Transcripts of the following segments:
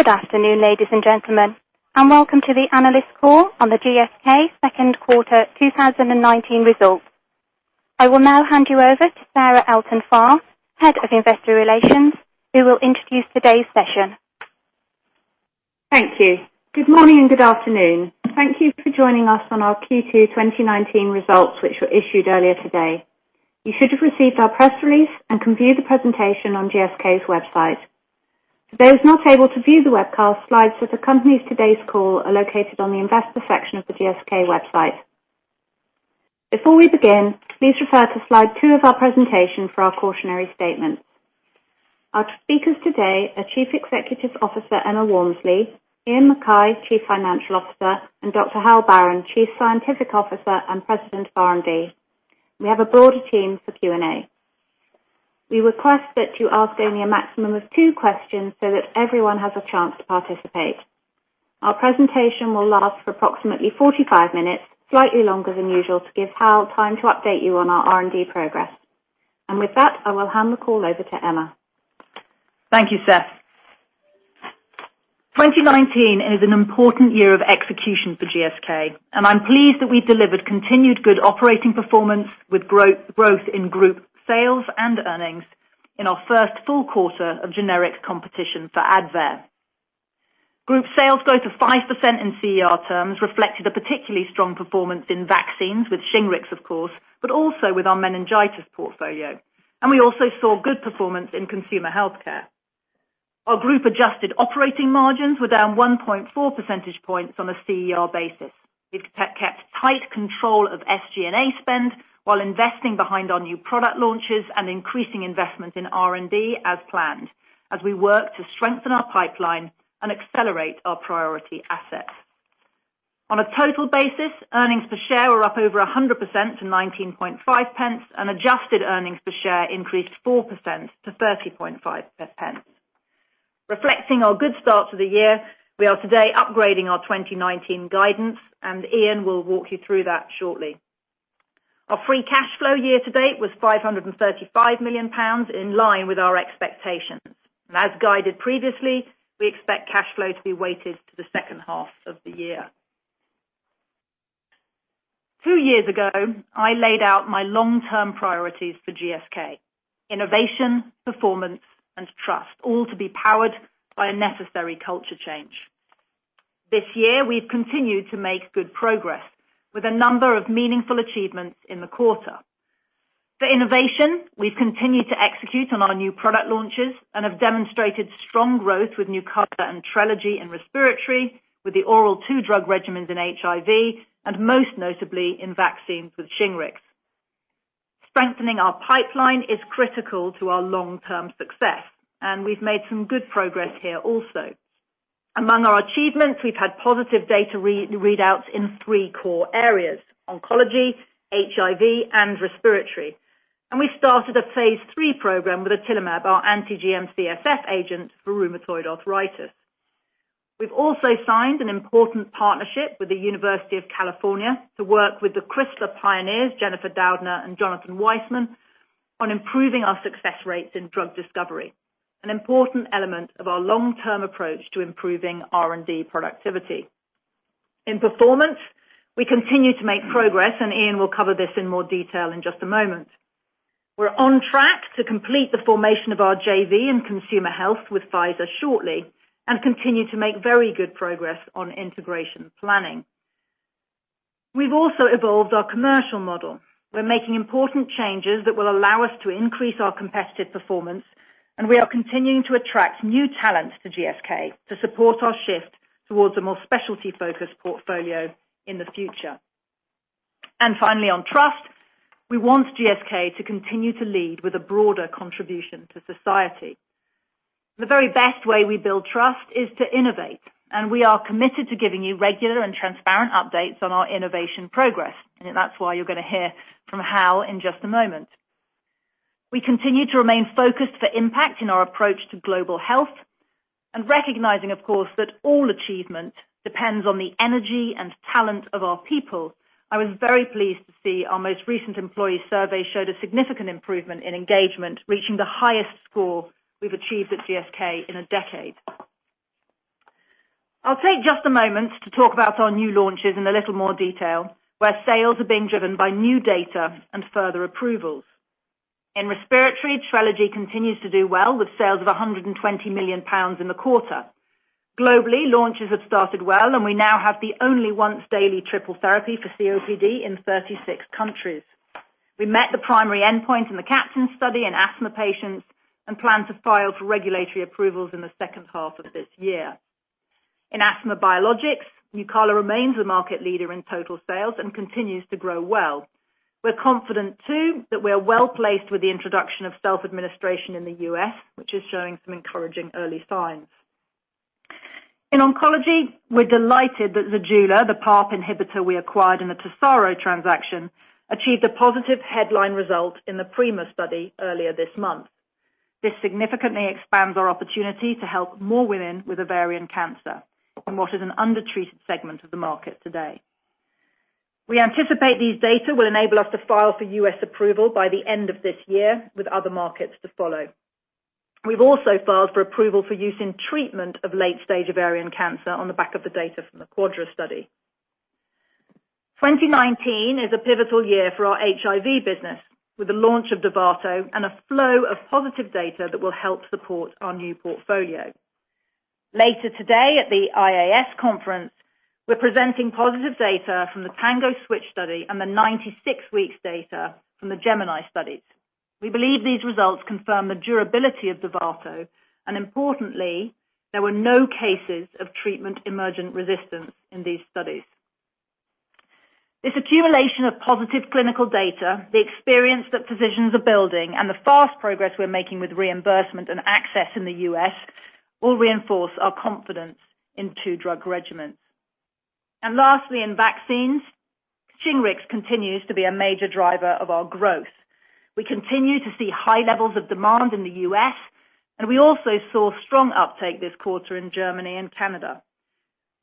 Good afternoon, ladies and gentlemen, and welcome to the analyst call on the GSK second quarter 2019 results. I will now hand you over to Sarah Elton-Farr, Head of Investor Relations, who will introduce today's session. Thank you. Good morning and good afternoon. Thank you for joining us on our Q2 2019 results, which were issued earlier today. You should have received our press release and can view the presentation on GSK's website. For those not able to view the webcast, slides that accompany today's call are located on the investor section of the GSK website. Before we begin, please refer to slide two of our presentation for our cautionary statement. Our speakers today are Chief Executive Officer, Emma Walmsley, Iain Mackay, Chief Financial Officer, and Dr Hal Barron, Chief Scientific Officer and President of R&D. We have a broader team for Q&A. We request that you ask only a maximum of two questions so that everyone has a chance to participate. Our presentation will last for approximately 45 minutes, slightly longer than usual, to give Hal time to update you on our R&D progress. With that, I will hand the call over to Emma. Thank you, Sarah. 2019 is an important year of execution for GSK, and I'm pleased that we've delivered continued good operating performance with growth in group sales and earnings in our first full quarter of generic competition for Advair. Group sales growth of 5% in CER terms reflected a particularly strong performance in vaccines with Shingrix, of course, but also with our meningitis portfolio. We also saw good performance in consumer healthcare. Our group adjusted operating margins were down 1.4 percentage points on a CER basis. We've kept tight control of SG&A spend while investing behind our new product launches and increasing investment in R&D as planned, as we work to strengthen our pipeline and accelerate our priority assets. On a total basis, earnings per share were up over 100% to 0.195, and adjusted earnings per share increased 4% to 0.305. Reflecting our good start to the year, we are today upgrading our 2019 guidance. Iain will walk you through that shortly. Our free cash flow year to date was 535 million pounds, in line with our expectations. As guided previously, we expect cash flow to be weighted to the second half of the year. Two years ago, I laid out my long-term priorities for GSK: innovation, performance, and trust, all to be powered by a necessary culture change. This year, we've continued to make good progress with a number of meaningful achievements in the quarter. For innovation, we've continued to execute on our new product launches and have demonstrated strong growth with Nucala and Trelegy in respiratory, with the oral two-drug regimens in HIV, and most notably in vaccines with Shingrix. Strengthening our pipeline is critical to our long-term success. We've made some good progress here also. Among our achievements, we've had positive data readouts in three core areas: oncology, HIV, and respiratory. We started a phase III program with otilimab, our anti-GM-CSF agent for rheumatoid arthritis. We've also signed an important partnership with the University of California to work with the CRISPR pioneers, Jennifer Doudna and Jonathan Weissman, on improving our success rates in drug discovery, an important element of our long-term approach to improving R&D productivity. In performance, we continue to make progress, and Iain will cover this in more detail in just a moment. We're on track to complete the formation of our JV in consumer health with Pfizer shortly and continue to make very good progress on integration planning. We've also evolved our commercial model. We're making important changes that will allow us to increase our competitive performance. We are continuing to attract new talent to GSK to support our shift towards a more specialty-focused portfolio in the future. Finally, on trust, we want GSK to continue to lead with a broader contribution to society. The very best way we build trust is to innovate, and we are committed to giving you regular and transparent updates on our innovation progress, and that's why you're going to hear from Hal in just a moment. We continue to remain focused for impact in our approach to global health and recognizing, of course, that all achievement depends on the energy and talent of our people. I was very pleased to see our most recent employee survey showed a significant improvement in engagement, reaching the highest score we've achieved at GSK in a decade. I'll take just a moment to talk about our new launches in a little more detail, where sales are being driven by new data and further approvals. In respiratory, Trelegy continues to do well with sales of 120 million pounds in the quarter. Globally, launches have started well, and we now have the only once-daily triple therapy for COPD in 36 countries. We met the primary endpoint in the CAPTAIN study in asthma patients and plan to file for regulatory approvals in the second half of this year. In asthma biologics, Nucala remains the market leader in total sales and continues to grow well. We're confident, too, that we are well-placed with the introduction of self-administration in the U.S., which is showing some encouraging early signs. In oncology, we're delighted that Zejula, the PARP inhibitor we acquired in the TESARO transaction, achieved a positive headline result in the PRIMA study earlier this month. This significantly expands our opportunity to help more women with ovarian cancer in what is an undertreated segment of the market today. We anticipate these data will enable us to file for U.S. approval by the end of this year with other markets to follow. We've also filed for approval for use in treatment of late stage ovarian cancer on the back of the data from the QUADRA study. 2019 is a pivotal year for our HIV business, with the launch of Dovato and a flow of positive data that will help support our new portfolio. Later today at the IAS conference, we're presenting positive data from the TANGO switch study and the 96 weeks data from the GEMINI studies. We believe these results confirm the durability of Dovato, importantly, there were no cases of treatment emergent resistance in these studies. This accumulation of positive clinical data, the experience that physicians are building, the fast progress we're making with reimbursement and access in the U.S. will reinforce our confidence in two-drug regimens. Lastly, in vaccines, Shingrix continues to be a major driver of our growth. We continue to see high levels of demand in the U.S., we also saw strong uptake this quarter in Germany and Canada.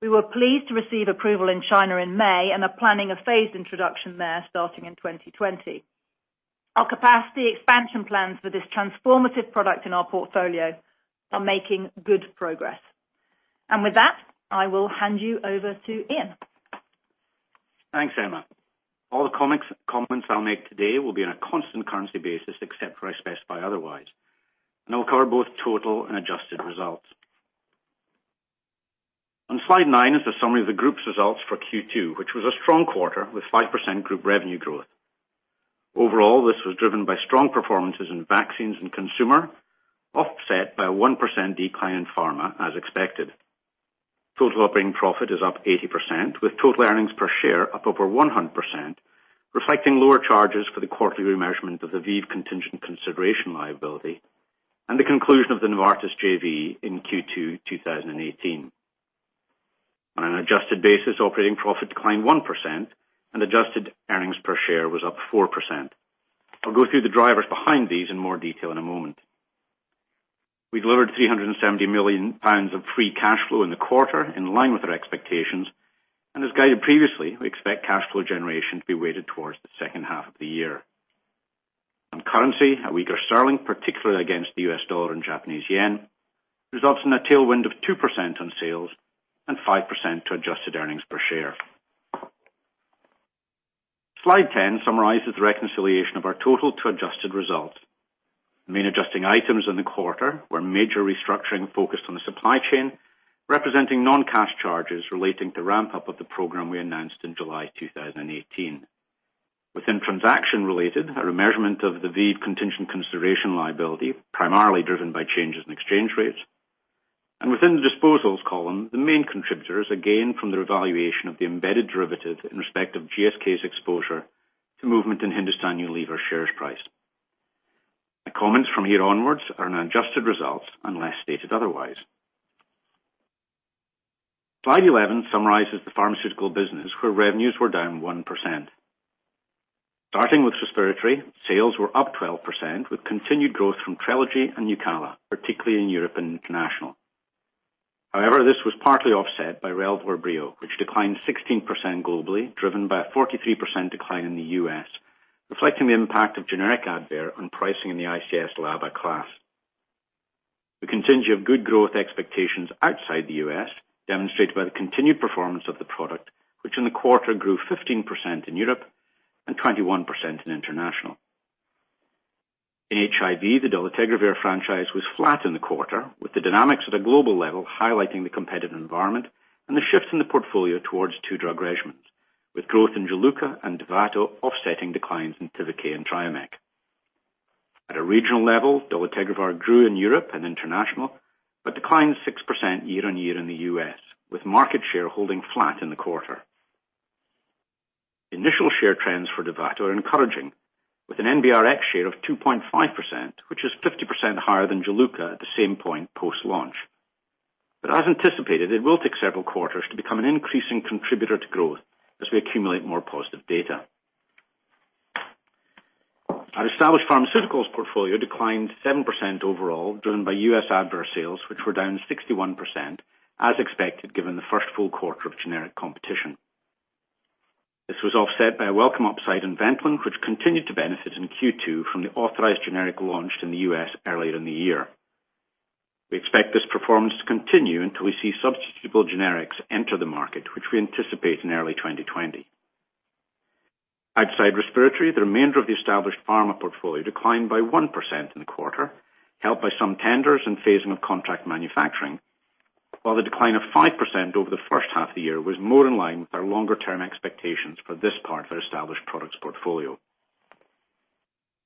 We were pleased to receive approval in China in May, are planning a phased introduction there starting in 2020. Our capacity expansion plans for this transformative product in our portfolio are making good progress. With that, I will hand you over to Iain. Thanks, Emma. All the comments I'll make today will be on a constant currency basis, except where I specify otherwise. I'll cover both total and adjusted results. On slide nine is the summary of the group's results for Q2, which was a strong quarter with 5% group revenue growth. Overall, this was driven by strong performances in vaccines and consumer, offset by a 1% decline in pharma as expected. Total operating profit is up 80%, with total earnings per share up over 100%, reflecting lower charges for the quarterly measurement of the ViiV contingent consideration liability and the conclusion of the Novartis JV in Q2 2018. On an adjusted basis, operating profit declined 1% and adjusted earnings per share was up 4%. I'll go through the drivers behind these in more detail in a moment. We delivered 370 million pounds of free cash flow in the quarter, in line with our expectations. As guided previously, we expect cash flow generation to be weighted towards the second half of the year. On currency, a weaker sterling, particularly against the U.S. dollar and Japanese yen, results in a tailwind of 2% on sales and 5% to adjusted earnings per share. Slide 10 summarizes the reconciliation of our total to adjusted results. The main adjusting items in the quarter were major restructuring focused on the supply chain, representing non-cash charges relating to ramp-up of the program we announced in July 2018. Within transaction-related, our measurement of the ViiV contingent consideration liability, primarily driven by changes in exchange rates, and within the disposals column, the main contributors, again from the revaluation of the embedded derivative in respect of GSK's exposure to movement in Hindustan Unilever shares price. My comments from here onwards are on adjusted results unless stated otherwise. Slide 11 summarizes the pharmaceutical business, where revenues were down 1%. Starting with respiratory, sales were up 12%, with continued growth from Trelegy and Nucala, particularly in Europe and international. This was partly offset by Relvar Breo, which declined 16% globally, driven by a 43% decline in the U.S., reflecting the impact of generic Advair on pricing in the ICS/LABA class. We continue to have good growth expectations outside the U.S., demonstrated by the continued performance of the product, which in the quarter grew 15% in Europe and 21% in international. In HIV, the dolutegravir franchise was flat in the quarter, with the dynamics at a global level highlighting the competitive environment and the shifts in the portfolio towards two-drug regimens, with growth in Juluca and Dovato offsetting declines in Tivicay and Triumeq. At a regional level, dolutegravir grew in Europe and international, declined 6% year-over-year in the U.S., with market share holding flat in the quarter. Initial share trends for Dovato are encouraging, with an NBRx share of 2.5%, which is 50% higher than Biktarvy at the same point post-launch. As anticipated, it will take several quarters to become an increasing contributor to growth as we accumulate more positive data. Our established pharmaceuticals portfolio declined 7% overall, driven by U.S. Advair sales, which were down 61%, as expected given the first full quarter of generic competition. This was offset by a welcome upside in Ventolin, which continued to benefit in Q2 from the authorized generic launch in the U.S. earlier in the year. We expect this performance to continue until we see substitutable generics enter the market, which we anticipate in early 2020. Outside respiratory, the remainder of the established pharma portfolio declined by 1% in the quarter, helped by some tenders and phasing of contract manufacturing, while the decline of 5% over the first half of the year was more in line with our longer term expectations for this part of our established products portfolio.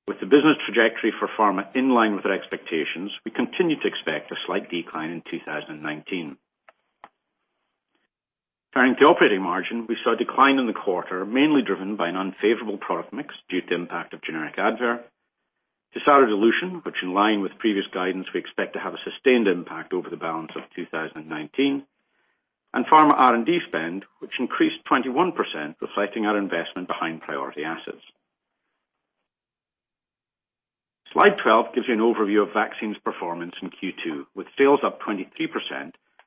With the business trajectory for pharma in line with our expectations, we continue to expect a slight decline in 2019. Turning to operating margin, we saw a decline in the quarter, mainly driven by an unfavorable product mix due to impact of generic Advair, TESARO dilution, which in line with previous guidance, we expect to have a sustained impact over the balance of 2019, and pharma R&D spend, which increased 21%, reflecting our investment behind priority assets. Slide 12 gives you an overview of Vaccines performance in Q2, with sales up 23%,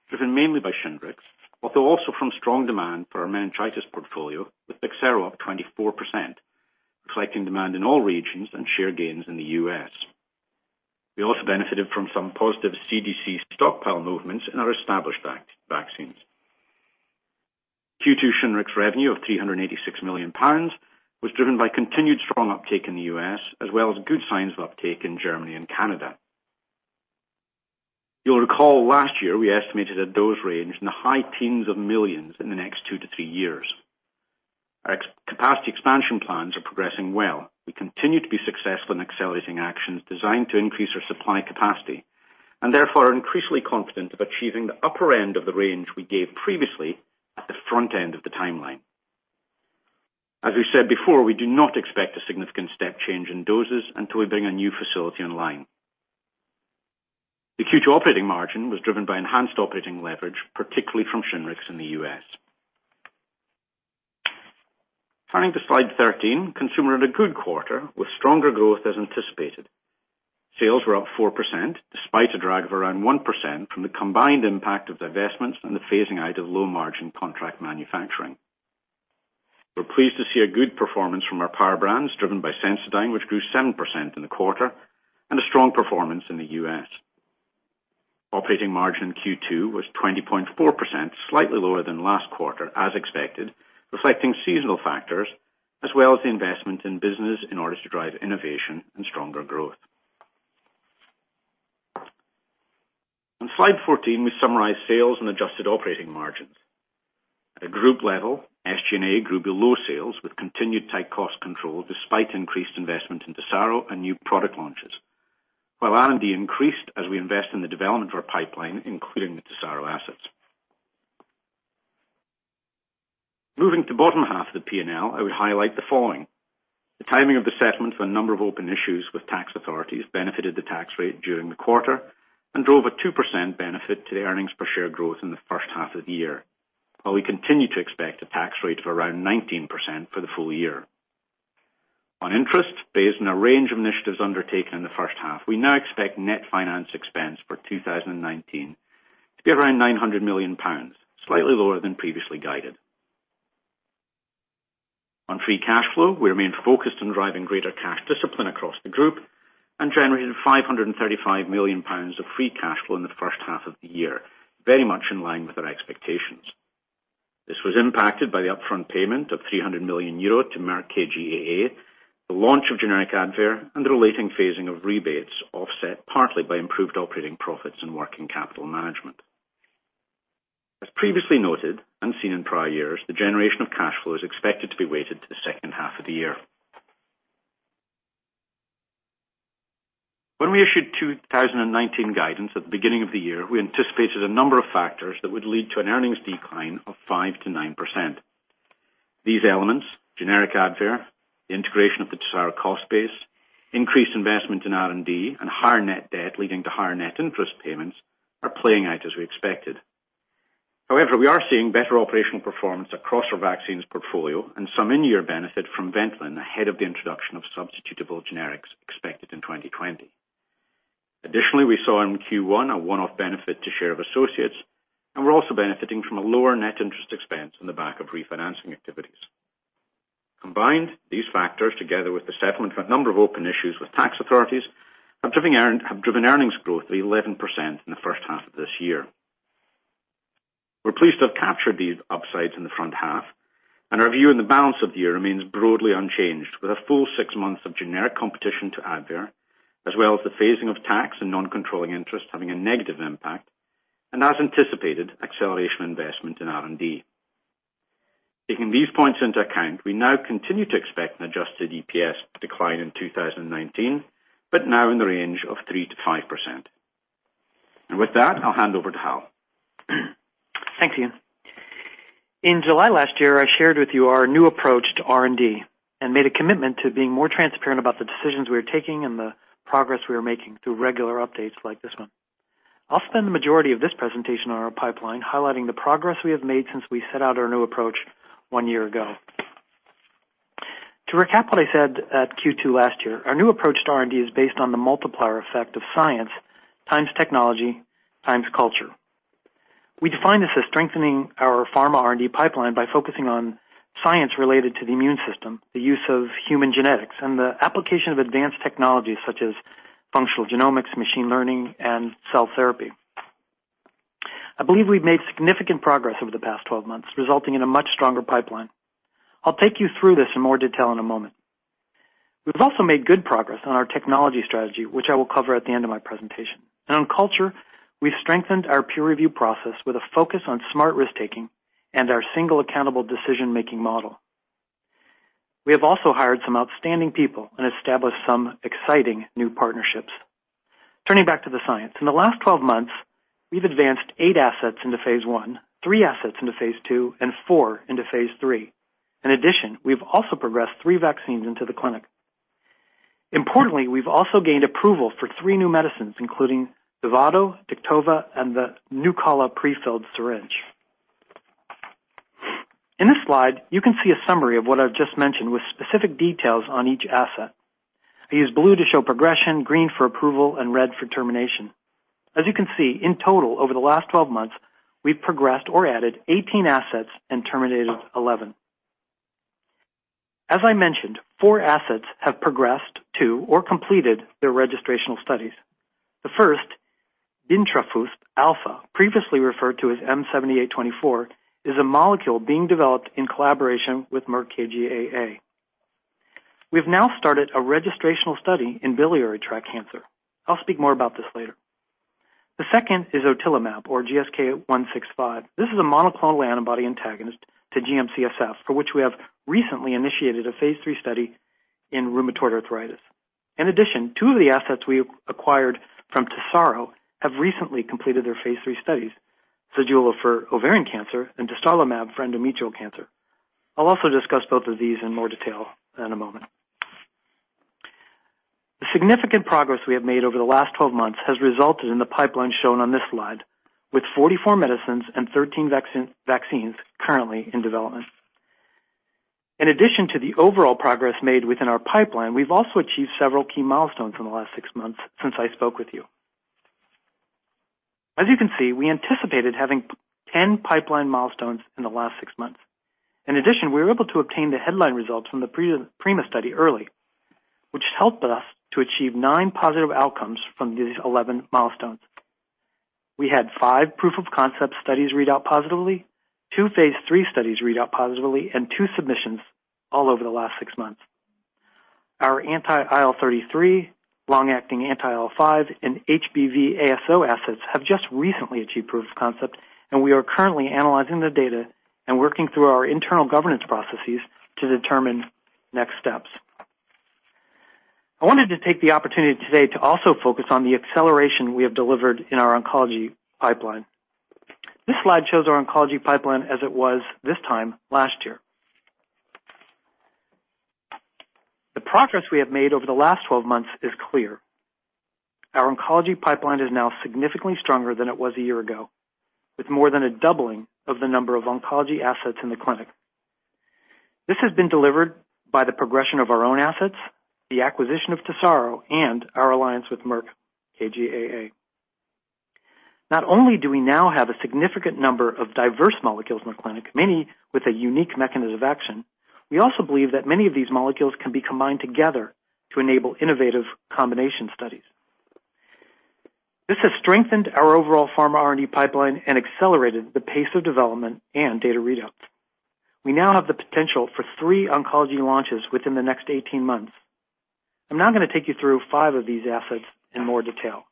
driven mainly by Shingrix, although also from strong demand for our meningitis portfolio, with BEXSERO up 24%, reflecting demand in all regions and share gains in the U.S. We also benefited from some positive CDC stockpile movements in our established vaccines. Q2 Shingrix revenue of 386 million pounds was driven by continued strong uptake in the U.S. as well as good signs of uptake in Germany and Canada. You'll recall last year, we estimated a dose range in the high tens of millions in the next two to three years. Our capacity expansion plans are progressing well. We continue to be successful in accelerating actions designed to increase our supply capacity. Therefore, are increasingly confident of achieving the upper end of the range we gave previously at the front end of the timeline. As we said before, we do not expect a significant step change in doses until we bring a new facility online. The Q2 operating margin was driven by enhanced operating leverage, particularly from Shingrix in the U.S. Turning to slide 13, Consumer had a good quarter with stronger growth as anticipated. Sales were up 4%, despite a drag of around 1% from the combined impact of divestments and the phasing out of low-margin contract manufacturing. We're pleased to see a good performance from our Power Brands, driven by Sensodyne, which grew 7% in the quarter, and a strong performance in the U.S. Operating margin in Q2 was 20.4%, slightly lower than last quarter as expected, reflecting seasonal factors as well as the investment in business in order to drive innovation and stronger growth. On slide 14, we summarize sales and adjusted operating margins. At a group level, SG&A grew below sales with continued tight cost control despite increased investment in TESARO and new product launches. R&D increased as we invest in the development of our pipeline, including the TESARO assets. Moving to bottom half of the P&L, I would highlight the following. The timing of the settlement for a number of open issues with tax authorities benefited the tax rate during the quarter and drove a 2% benefit to the earnings per share growth in the first half of the year. While we continue to expect a tax rate of around 19% for the full year. On interest, based on a range of initiatives undertaken in the first half, we now expect net finance expense for 2019 to be around 900 million pounds, slightly lower than previously guided. On free cash flow, we remain focused on driving greater cash discipline across the group and generated 535 million pounds of free cash flow in the first half of the year, very much in line with our expectations. This was impacted by the upfront payment of 300 million euro to Merck KGaA, the launch of generic Advair, and the relating phasing of rebates offset partly by improved operating profits and working capital management. As previously noted, and seen in prior years, the generation of cash flow is expected to be weighted to the second half of the year. When we issued 2019 guidance at the beginning of the year, we anticipated a number of factors that would lead to an earnings decline of 5%-9%. These elements, generic Advair, the integration of the TESARO cost base, increased investment in R&D, and higher net debt leading to higher net interest payments, are playing out as we expected. However, we are seeing better operational performance across our vaccines portfolio and some in-year benefit from Ventolin ahead of the introduction of substitutable generics expected in 2020. Additionally, we saw in Q1 a one-off benefit to share of associates, and we're also benefiting from a lower net interest expense on the back of refinancing activities. Combined, these factors, together with the settlement for a number of open issues with tax authorities, have driven earnings growth of 11% in the first half of this year. We're pleased to have captured these upsides in the front half, and our view in the balance of the year remains broadly unchanged, with a full 6 months of generic competition to Advair, as well as the phasing of tax and non-controlling interest having a negative impact, and as anticipated, acceleration investment in R&D. Taking these points into account, we now continue to expect an adjusted EPS decline in 2019, but now in the range of 3% to 5%. With that, I'll hand over to Hal. Thanks, Iain. In July last year, I shared with you our new approach to R&D and made a commitment to being more transparent about the decisions we are taking and the progress we are making through regular updates like this one. I'll spend the majority of this presentation on our pipeline, highlighting the progress we have made since we set out our new approach one year ago. To recap what I said at Q2 last year, our new approach to R&D is based on the multiplier effect of science, times technology, times culture. We define this as strengthening our pharma R&D pipeline by focusing on science related to the immune system, the use of human genetics, and the application of advanced technologies such as functional genomics, machine learning, and cell therapy. I believe we've made significant progress over the past 12 months, resulting in a much stronger pipeline. I'll take you through this in more detail in a moment. We've also made good progress on our technology strategy, which I will cover at the end of my presentation. On culture, we've strengthened our peer review process with a focus on smart risk-taking and our single accountable decision-making model. We have also hired some outstanding people and established some exciting new partnerships. Turning back to the science. In the last 12 months, we've advanced eight assets into phase I, three assets into phase II, and four into phase III. In addition, we've also progressed three vaccines into the clinic. Importantly, we've also gained approval for three new medicines, including Dovato, Tivicay, and the Nucala prefilled syringe. In this slide, you can see a summary of what I've just mentioned with specific details on each asset. I use blue to show progression, green for approval, and red for termination. As you can see, in total over the last 12 months, we've progressed or added 18 assets and terminated 11. As I mentioned, four assets have progressed to or completed their registrational studies. The first, bintrafusp alfa, previously referred to as M7824, is a molecule being developed in collaboration with Merck KGaA. We've now started a registrational study in biliary tract cancer. I'll speak more about this later. The second is otilimab, or GSK165. This is a monoclonal antibody antagonist to GM-CSF, for which we have recently initiated a phase III study in rheumatoid arthritis. Two of the assets we acquired from TESARO have recently completed their phase III studies, Zejula for ovarian cancer and dostarlimab for endometrial cancer. I'll also discuss both of these in more detail in a moment. The significant progress we have made over the last 12 months has resulted in the pipeline shown on this slide, with 44 medicines and 13 vaccines currently in development. In addition to the overall progress made within our pipeline, we've also achieved several key milestones in the last six months since I spoke with you. As you can see, we anticipated having 10 pipeline milestones in the last six months. In addition, we were able to obtain the headline results from the PRIMA study early, which helped us to achieve nine positive outcomes from these 11 milestones. We had five proof-of-concept studies read out positively, two phase III studies read out positively, and two submissions all over the last six months. Our anti-IL-33, long-acting anti-IL-5, and HBV ASO assets have just recently achieved proof of concept, and we are currently analyzing the data and working through our internal governance processes to determine next steps. I wanted to take the opportunity today to also focus on the acceleration we have delivered in our oncology pipeline. This slide shows our oncology pipeline as it was this time last year. The progress we have made over the last 12 months is clear. Our oncology pipeline is now significantly stronger than it was a year ago, with more than a doubling of the number of oncology assets in the clinic. This has been delivered by the progression of our own assets, the acquisition of TESARO, and our alliance with Merck KGaA. Not only do we now have a significant number of diverse molecules in the clinic, many with a unique mechanism of action, we also believe that many of these molecules can be combined together to enable innovative combination studies. This has strengthened our overall pharma R&D pipeline and accelerated the pace of development and data readouts. We now have the potential for three oncology launches within the next 18 months. I'm now going to take you through five of these assets in more detail.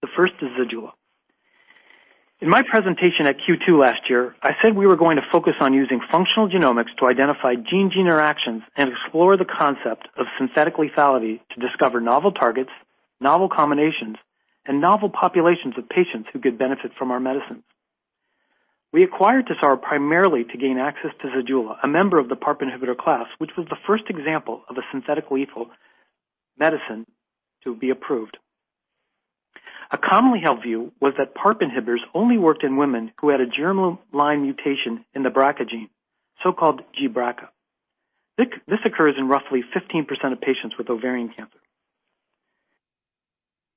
The first is Zejula. In my presentation at Q2 last year, I said we were going to focus on using functional genomics to identify gene-gene interactions and explore the concept of synthetic lethality to discover novel targets, novel combinations, and novel populations of patients who could benefit from our medicines. We acquired TESARO primarily to gain access to Zejula, a member of the PARP inhibitor class, which was the first example of a synthetic lethal medicine to be approved. A commonly held view was that PARP inhibitors only worked in women who had a germline mutation in the BRCA gene, so-called gBRCA. This occurs in roughly 15% of patients with ovarian cancer.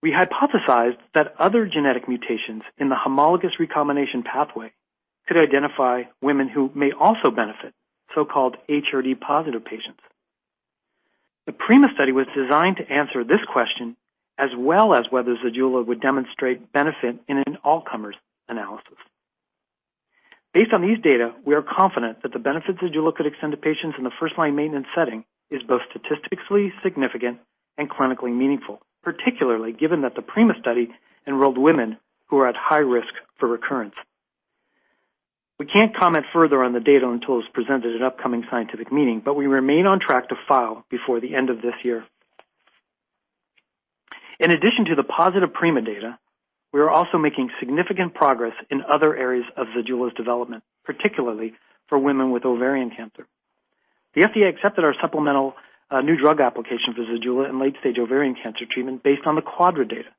We hypothesized that other genetic mutations in the homologous recombination pathway could identify women who may also benefit, so-called HRD-positive patients. The PRIMA study was designed to answer this question, as well as whether Zejula would demonstrate benefit in an all-comers analysis. Based on these data, we are confident that the benefit Zejula could extend to patients in the first-line maintenance setting is both statistically significant and clinically meaningful, particularly given that the PRIMA study enrolled women who are at high risk for recurrence. We can't comment further on the data until it's presented at an upcoming scientific meeting, We remain on track to file before the end of this year. In addition to the positive PRIMA data, we are also making significant progress in other areas of Zejula's development, particularly for women with ovarian cancer. The FDA accepted our supplemental new drug application for Zejula in late-stage ovarian cancer treatment based on the QUADRA data.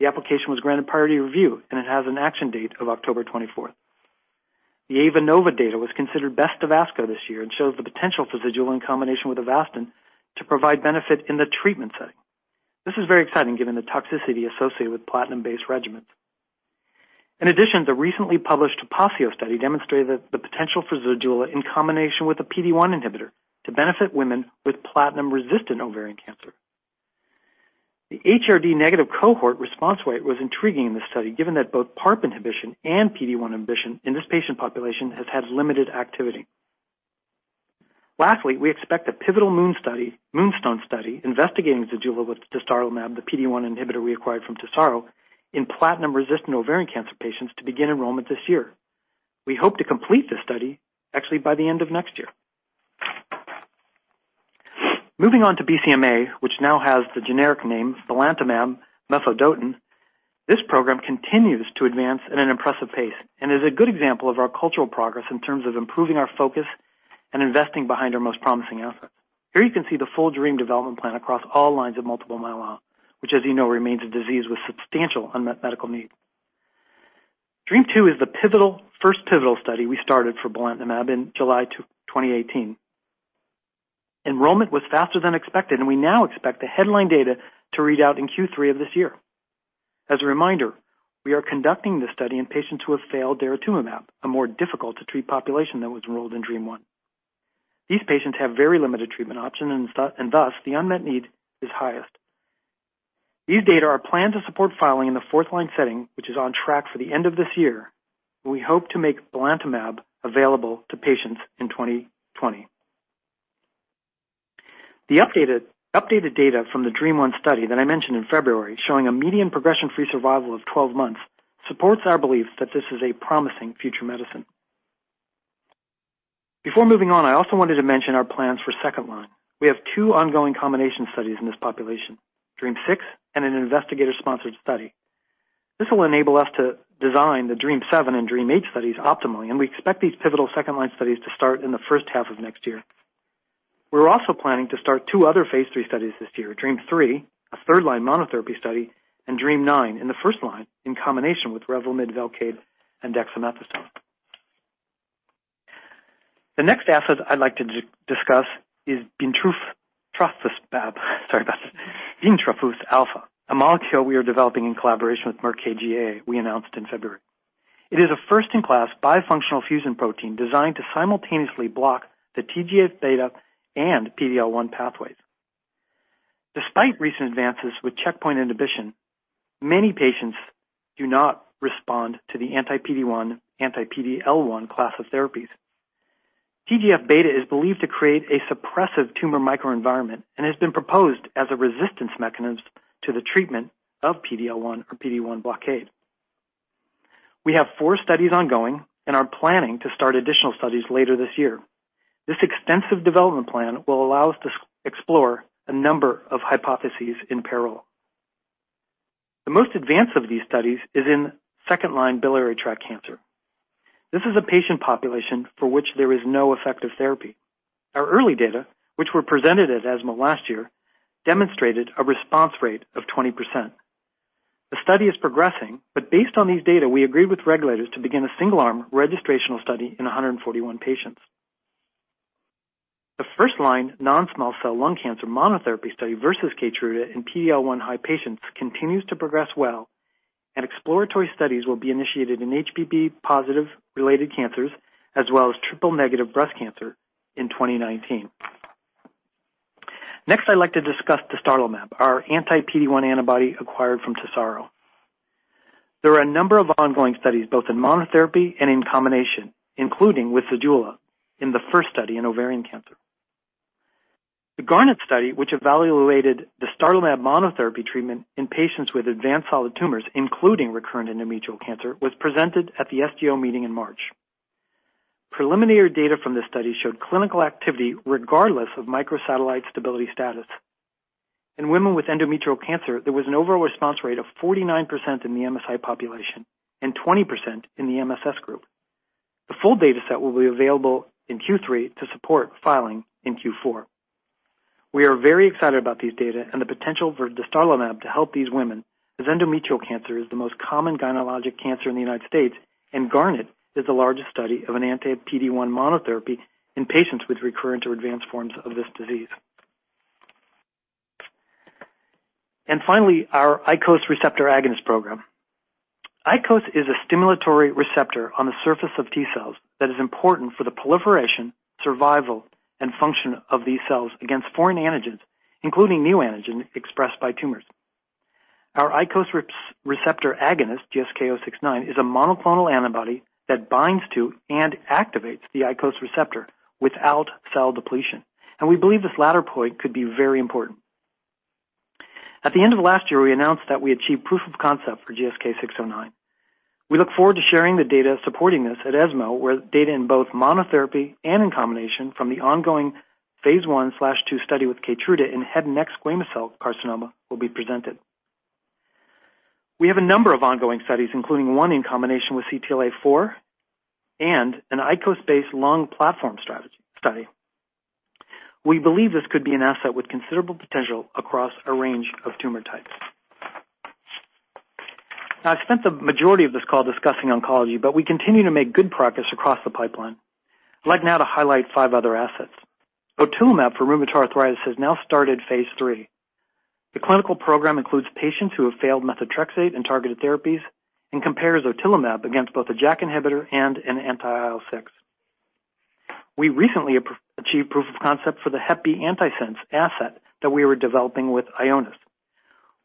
The application was granted priority review, It has an action date of October 24th. The AVANOVA data was considered best of ASCO this year and shows the potential for Zejula in combination with Avastin to provide benefit in the treatment setting. This is very exciting given the toxicity associated with platinum-based regimens. In addition, the recently published TOPACIO study demonstrated the potential for Zejula in combination with a PD-1 inhibitor to benefit women with platinum-resistant ovarian cancer. The HRD negative cohort response rate was intriguing in this study, given that both PARP inhibition and PD-1 inhibition in this patient population has had limited activity. Lastly, we expect a pivotal MOONSTONE study investigating Zejula with Dostarlimab, the PD-1 inhibitor we acquired from TESARO, in platinum-resistant ovarian cancer patients to begin enrollment this year. We hope to complete this study actually by the end of next year. Moving on to BCMA, which now has the generic name belantamab mafodotin, this program continues to advance at an impressive pace and is a good example of our cultural progress in terms of improving our focus and investing behind our most promising assets. Here you can see the full DREAMM development plan across all lines of multiple myeloma, which as you know, remains a disease with substantial unmet medical need. DREAMM-2 is the first pivotal study we started for belantamab in July 2018. Enrollment was faster than expected, and we now expect the headline data to read out in Q3 of this year. As a reminder, we are conducting this study in patients who have failed daratumumab, a more difficult to treat population that was enrolled in DREAMM-1. These patients have very limited treatment options, thus the unmet need is highest. These data are planned to support filing in the fourth-line setting, which is on track for the end of this year. We hope to make belantamab available to patients in 2020. The updated data from the DREAMM-1 study that I mentioned in February, showing a median progression-free survival of 12 months, supports our belief that this is a promising future medicine. Before moving on, I also wanted to mention our plans for 2nd line. We have two ongoing combination studies in this population, DREAMM-6 and an investigator-sponsored study. This will enable us to design the DREAMM-7 and DREAMM-8 studies optimally. We expect these pivotal 2nd-line studies to start in the first half of next year. We're also planning to start two other phase III studies this year, DREAMM-3, a 3rd-line monotherapy study. DREAMM-9 in the 1st line in combination with Revlimid, Velcade and Dexamethasone. The next asset I'd like to discuss is bintrafusp alfa. Sorry about that. Bintrafusp alfa, a molecule we are developing in collaboration with Merck KGaA, we announced in February. It is a first-in-class bifunctional fusion protein designed to simultaneously block the TGF-β and PD-L1 pathways. Despite recent advances with checkpoint inhibition, many patients do not respond to the anti-PD-1, anti-PD-L1 class of therapies. TGF-β is believed to create a suppressive tumor microenvironment and has been proposed as a resistance mechanism to the treatment of PD-L1 or PD-1 blockade. We have four studies ongoing and are planning to start additional studies later this year. This extensive development plan will allow us to explore a number of hypotheses in parallel. The most advanced of these studies is in second-line biliary tract cancer. This is a patient population for which there is no effective therapy. Our early data, which were presented at ESMO last year, demonstrated a response rate of 20%. The study is progressing, based on these data, we agreed with regulators to begin a single-arm registrational study in 141 patients. The first-line non-small cell lung cancer monotherapy study versus KEYTRUDA in PD-L1 high patients continues to progress well, and exploratory studies will be initiated in HPV positive-related cancers as well as triple-negative breast cancer in 2019. Next, I'd like to discuss dostarlimab, our anti-PD-1 antibody acquired from TESARO. There are a number of ongoing studies both in monotherapy and in combination, including with Zejula in the first study in ovarian cancer. The GARNET study, which evaluated dostarlimab monotherapy treatment in patients with advanced solid tumors, including recurrent endometrial cancer, was presented at the SGO meeting in March. Preliminary data from this study showed clinical activity regardless of microsatellite stability status. In women with endometrial cancer, there was an overall response rate of 49% in the MSI population and 20% in the MSS group. The full data set will be available in Q3 to support filing in Q4. We are very excited about these data and the potential for dostarlimab to help these women, as endometrial cancer is the most common gynecologic cancer in the United States. GARNET is the largest study of an anti-PD-1 monotherapy in patients with recurrent or advanced forms of this disease. Finally, our ICOS receptor agonist program. ICOS is a stimulatory receptor on the surface of T cells that is important for the proliferation, survival, and function of these cells against foreign antigens, including new antigens expressed by tumors. Our ICOS receptor agonist, GSK069, is a monoclonal antibody that binds to and activates the ICOS receptor without cell depletion. We believe this latter point could be very important. At the end of last year, we announced that we achieved proof of concept for GSK069. We look forward to sharing the data supporting this at ESMO, where data in both monotherapy and in combination from the ongoing phase I/II study with KEYTRUDA in head and neck squamous cell carcinoma will be presented. We have a number of ongoing studies, including one in combination with CTLA-4 and an ICOS-based lung platform study. We believe this could be an asset with considerable potential across a range of tumor types. I've spent the majority of this call discussing oncology. We continue to make good progress across the pipeline. I'd like now to highlight five other assets. Otilimab for rheumatoid arthritis has now started phase III. The clinical program includes patients who have failed methotrexate and targeted therapies and compares otilimab against both a JAK inhibitor and an anti-IL-6. We recently achieved proof of concept for the Hep B antisense asset that we were developing with Ionis.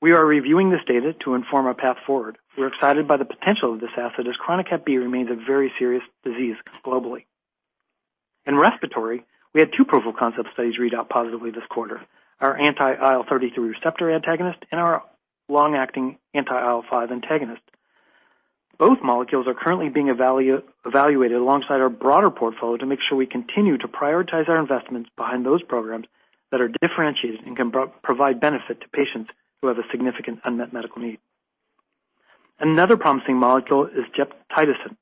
We are reviewing this data to inform our path forward. We're excited by the potential of this asset, as chronic Hep B remains a very serious disease globally. In respiratory, we had two proof of concept studies read out positively this quarter: our anti-IL-33 receptor antagonist and our long-acting anti-IL-5 antagonist. Both molecules are currently being evaluated alongside our broader portfolio to make sure we continue to prioritize our investments behind those programs that are differentiated and can provide benefit to patients who have a significant unmet medical need. Another promising molecule is gepotidacin,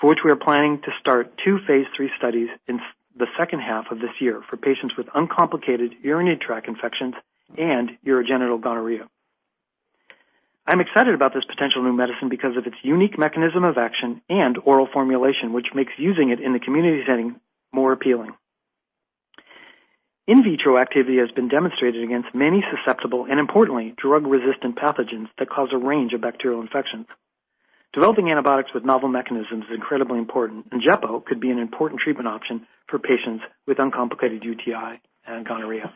for which we are planning to start two phase III studies in the second half of this year for patients with uncomplicated urinary tract infections and urogenital gonorrhea. I'm excited about this potential new medicine because of its unique mechanism of action and oral formulation, which makes using it in the community setting more appealing. In vitro activity has been demonstrated against many susceptible, and importantly, drug-resistant pathogens that cause a range of bacterial infections. Developing antibiotics with novel mechanisms is incredibly important, gepo could be an important treatment option for patients with uncomplicated UTI and gonorrhea.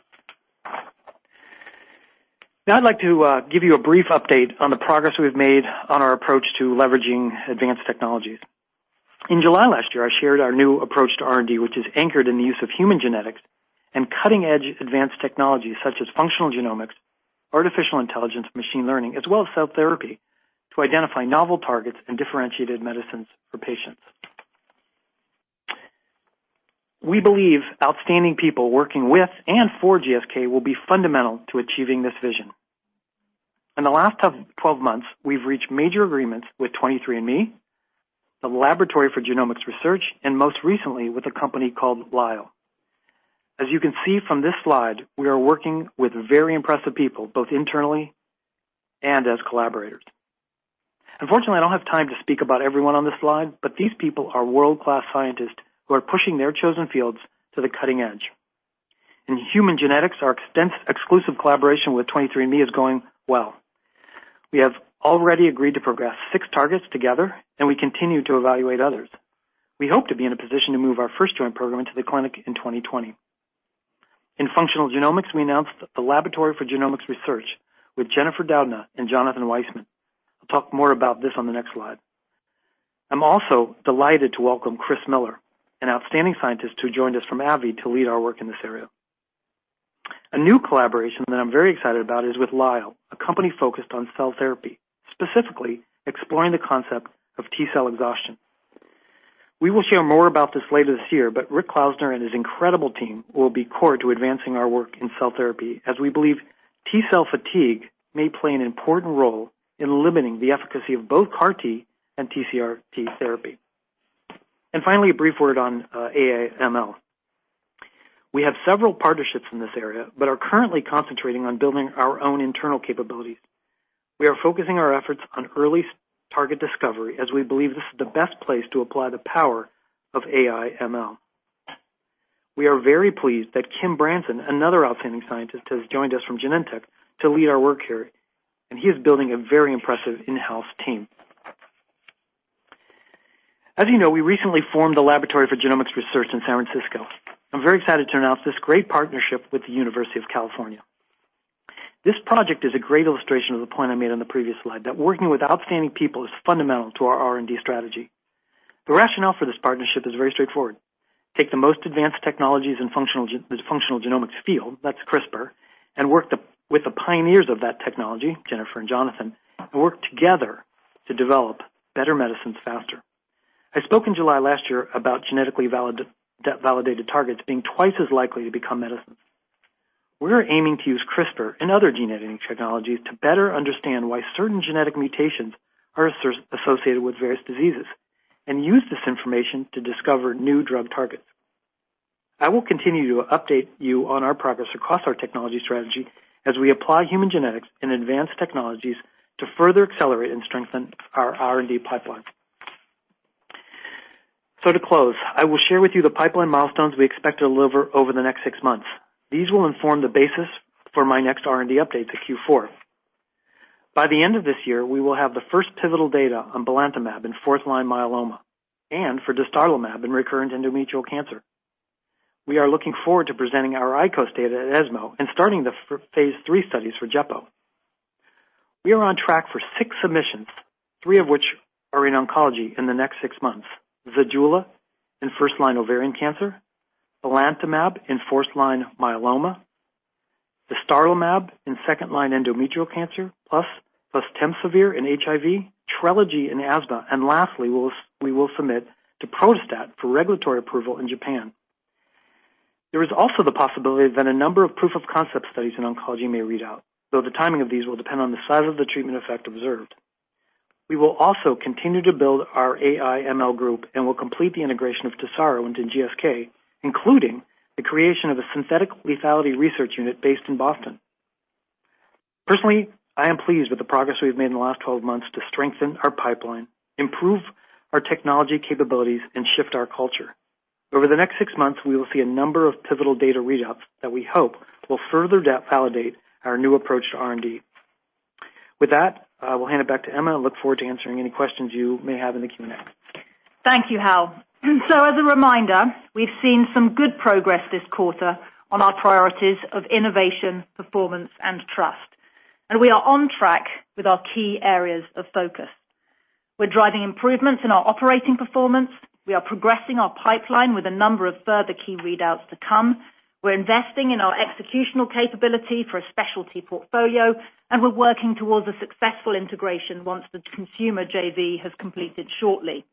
Now I'd like to give you a brief update on the progress we've made on our approach to leveraging advanced technologies. In July last year, I shared our new approach to R&D, which is anchored in the use of human genetics and cutting-edge advanced technologies such as functional genomics, artificial intelligence, machine learning, as well as cell therapy to identify novel targets and differentiated medicines for patients. We believe outstanding people working with and for GSK will be fundamental to achieving this vision. In the last 12 months, we've reached major agreements with 23andMe, the Laboratory for Genomics Research, and most recently with a company called Lyell. As you can see from this slide, we are working with very impressive people, both internally and as collaborators. Unfortunately, I don't have time to speak about everyone on this slide, but these people are world-class scientists who are pushing their chosen fields to the cutting edge. In human genetics, our extensive exclusive collaboration with 23andMe is going well. We have already agreed to progress six targets together, and we continue to evaluate others. We hope to be in a position to move our first joint program into the clinic in 2020. In functional genomics, we announced the Laboratory for Genomics Research with Jennifer Doudna and Jonathan Weissman. I'll talk more about this on the next slide. I'm also delighted to welcome Chris Miller, an outstanding scientist who joined us from AbbVie to lead our work in this area. A new collaboration that I'm very excited about is with Lyell, a company focused on cell therapy, specifically exploring the concept of T cell exhaustion. We will share more about this later this year. Rick Klausner and his incredible team will be core to advancing our work in cell therapy as we believe T cell fatigue may play an important role in limiting the efficacy of both CAR T and TCR-T therapy. Finally, a brief word on AI/ML. We have several partnerships in this area but are currently concentrating on building our own internal capabilities. We are focusing our efforts on early target discovery as we believe this is the best place to apply the power of AI/ML. We are very pleased that Kim Branson, another outstanding scientist, has joined us from Genentech to lead our work here, and he is building a very impressive in-house team. As you know, we recently formed a Laboratory for Genomics Research in San Francisco. I'm very excited to announce this great partnership with the University of California. This project is a great illustration of the point I made on the previous slide that working with outstanding people is fundamental to our R&D strategy. The rationale for this partnership is very straightforward. Take the most advanced technologies in the functional genomics field, that's CRISPR, and work with the pioneers of that technology, Jennifer and Jonathan, and work together to develop better medicines faster. I spoke in July last year about genetically validated targets being twice as likely to become medicines. We're aiming to use CRISPR and other genetic technologies to better understand why certain genetic mutations are associated with various diseases and use this information to discover new drug targets. I will continue to update you on our progress across our technology strategy as we apply human genetics and advanced technologies to further accelerate and strengthen our R&D pipeline. To close, I will share with you the pipeline milestones we expect to deliver over the next six months. These will inform the basis for my next R&D update to Q4. By the end of this year, we will have the first pivotal data on belantamab in fourth-line myeloma and for dostarlimab in recurrent endometrial cancer. We are looking forward to presenting our ICOS data at ESMO and starting the phase III studies for gepo. We are on track for six submissions, three of which are in oncology in the next six months. Zejula in first-line ovarian cancer, belantamab in fourth-line myeloma, dostarlimab in second-line endometrial cancer, plus tenofovir in HIV, Trelegy in asthma. Lastly, we will submit tapinarof for regulatory approval in Japan. There is also the possibility that a number of proof-of-concept studies in oncology may read out, though the timing of these will depend on the size of the treatment effect observed. We will also continue to build our AI/ML group and will complete the integration of TESARO into GSK, including the creation of a synthetic lethality research unit based in Boston. Personally, I am pleased with the progress we've made in the last 12 months to strengthen our pipeline, improve our technology capabilities, and shift our culture. Over the next six months, we will see a number of pivotal data readouts that we hope will further validate our new approach to R&D. With that, I will hand it back to Emma and look forward to answering any questions you may have in the Q&A. Thank you, Hal. As a reminder, we've seen some good progress this quarter on our priorities of innovation, performance, and trust. We are on track with our key areas of focus. We're driving improvements in our operating performance. We are progressing our pipeline with a number of further key readouts to come. We're investing in our executional capability for a specialty portfolio, and we're working towards a successful integration once the consumer JV has completed shortly.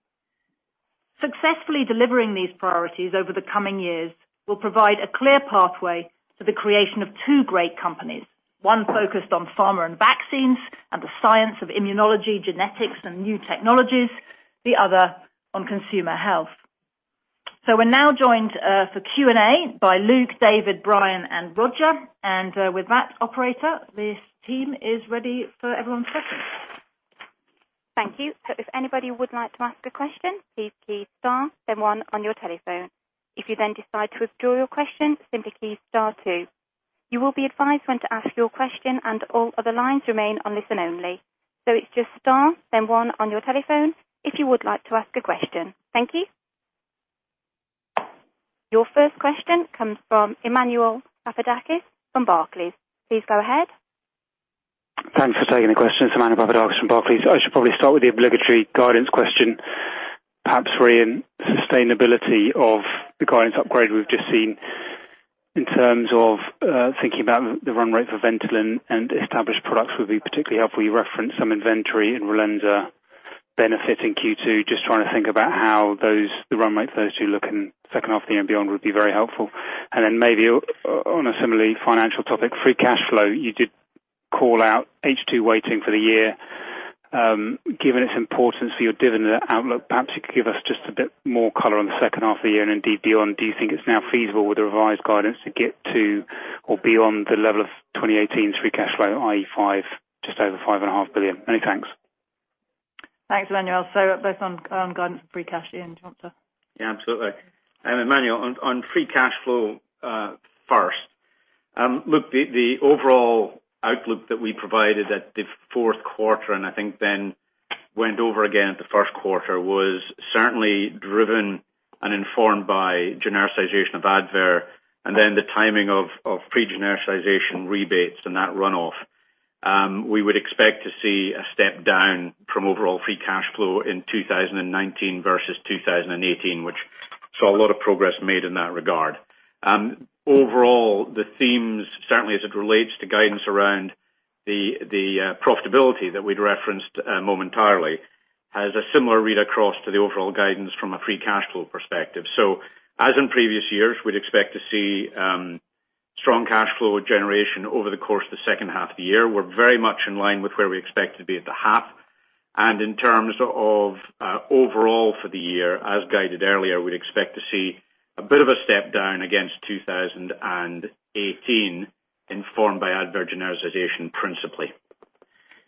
Successfully delivering these priorities over the coming years will provide a clear pathway to the creation of two great companies. One focused on pharma and vaccines, and the science of immunology, genetics, and new technologies, the other on consumer health. We're now joined for Q&A by Luke, David, Brian, and Roger. With that, operator, this team is ready for everyone's questions. Thank you. If anybody would like to ask a question, please key star then one on your telephone. If you then decide to withdraw your question, simply key star two. You will be advised when to ask your question and all other lines remain on listen only. It's just star then one on your telephone if you would like to ask a question. Thank you. Your first question comes from Emmanuel Papadakis from Barclays. Please go ahead. Thanks for taking the question. It's Emmanuel Papadakis from Barclays. I should probably start with the obligatory guidance question. Perhaps, Iain, sustainability of the guidance upgrade we've just seen in terms of thinking about the run rate for Ventolin and established products would be particularly helpful. You referenced some inventory and Relenza benefit in Q2. Just trying to think about how the run rate for those two look in the second half of the year and beyond would be very helpful. Maybe on a similarly financial topic, free cash flow. You did call out H2 waiting for the year. Given its importance for your dividend outlook, perhaps you could give us just a bit more color on the second half of the year and indeed beyond. Do you think it's now feasible with the revised guidance to get to or beyond the level of 2018 free cash flow, i.e. just over 5.5 billion? Many thanks. Thanks, Emmanuel. Both on guidance and free cash, Iain, do you want to? Yeah, absolutely. Emmanuel, on free cash flow first. Look, the overall outlook that we provided at the fourth quarter, and I think then went over again at the first quarter, was certainly driven and informed by genericization of Advair and then the timing of pre-genericization rebates and that runoff. We would expect to see a step down from overall free cash flow in 2019 versus 2018, which saw a lot of progress made in that regard. Overall, the themes, certainly as it relates to guidance around the profitability that we'd referenced momentarily, has a similar read across to the overall guidance from a free cash flow perspective. As in previous years, we'd expect to see strong cash flow generation over the course of the second half of the year. We're very much in line with where we expect to be at the half. In terms of overall for the year, as guided earlier, we'd expect to see a bit of a step down against 2018, informed by Advair genericization principally.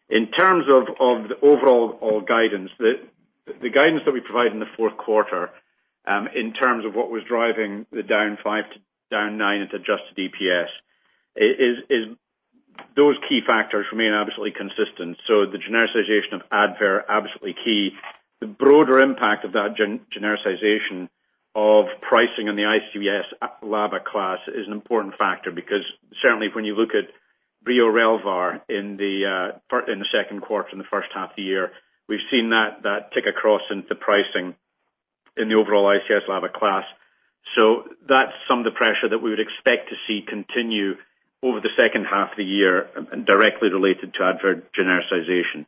In terms of the overall guidance, the guidance that we provided in the fourth quarter in terms of what was driving the down 5% to down 9% into adjusted EPS, those key factors remain absolutely consistent. The genericization of Advair, absolutely key. The broader impact of that genericization of pricing in the ICS/LABA class is an important factor because certainly when you look at Breo Ellipta in the second quarter, in the first half of the year, we've seen that tick across into pricing in the overall ICS/LABA class. That's some of the pressure that we would expect to see continue over the second half of the year and directly related to Advair genericization.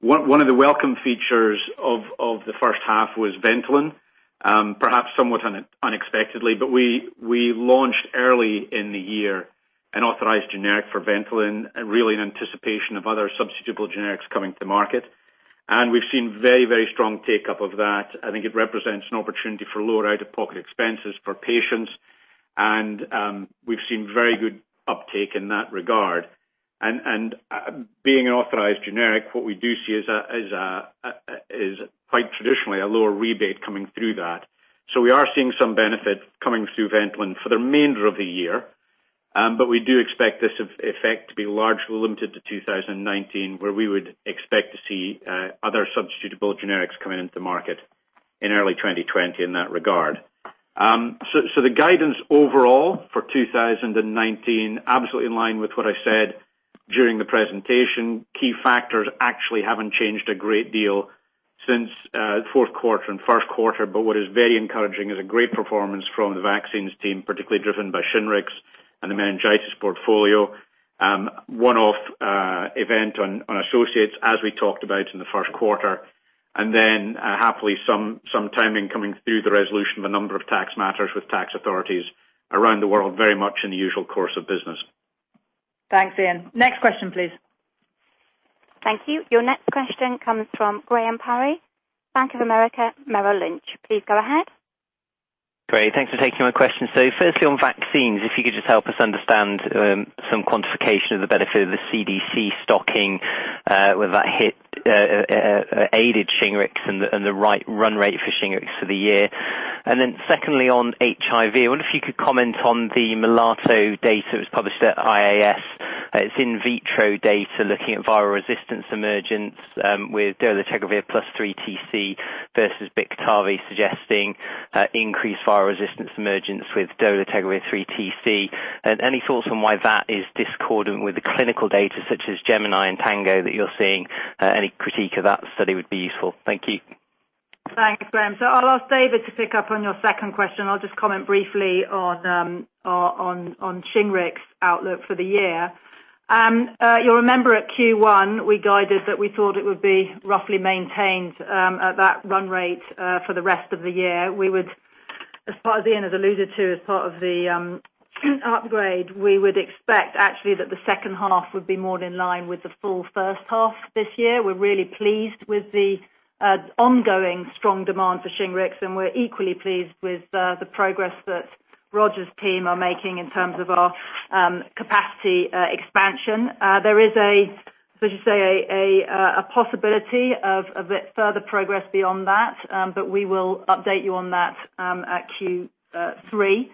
One of the welcome features of the first half was Ventolin. Perhaps somewhat unexpectedly, we launched early in the year an authorized generic for Ventolin, really in anticipation of other substitutable generics coming to market. We've seen very strong take-up of that. I think it represents an opportunity for lower out-of-pocket expenses for patients, we've seen very good uptake in that regard. Being an authorized generic, what we do see is quite traditionally a lower rebate coming through that. We are seeing some benefit coming through Ventolin for the remainder of the year. We do expect this effect to be largely limited to 2019, where we would expect to see other substitutable generics coming into market in early 2020 in that regard. The guidance overall for 2019, absolutely in line with what I said during the presentation. Key factors actually haven't changed a great deal since fourth quarter and first quarter. But what is very encouraging is a great performance from the vaccines team, particularly driven by Shingrix and the meningitis portfolio. One-off event on associates, as we talked about in the first quarter. Then happily, some timing coming through the resolution of a number of tax matters with tax authorities around the world, very much in the usual course of business. Thanks, Iain. Next question, please. Thank you. Your next question comes from Graham Parry, Bank of America Merrill Lynch. Please go ahead. Thanks for taking my question. Firstly on vaccines, if you could just help us understand some quantification of the benefit of the CDC stocking, whether that aided Shingrix and the right run rate for Shingrix for the year. Secondly on HIV, I wonder if you could comment on the MALATEO data that was published at IAS. It's in vitro data looking at viral resistance emergence with dolutegravir plus 3TC versus Biktarvy suggesting increased viral resistance emergence with dolutegravir 3TC. Any thoughts on why that is discordant with the clinical data such as GEMINI and TANGO that you're seeing? Any critique of that study would be useful. Thank you. Thanks, Graham. I'll ask David to pick up on your second question. I'll just comment briefly on Shingrix outlook for the year. You'll remember at Q1, we guided that we thought it would be roughly maintained at that run rate for the rest of the year. As far as Iain has alluded to as part of the upgrade, we would expect actually that the second half would be more in line with the full first half this year. We're really pleased with the ongoing strong demand for Shingrix, and we're equally pleased with the progress that Roger's team are making in terms of our capacity expansion. There is, so to say, a possibility of a bit further progress beyond that, but we will update you on that at Q3.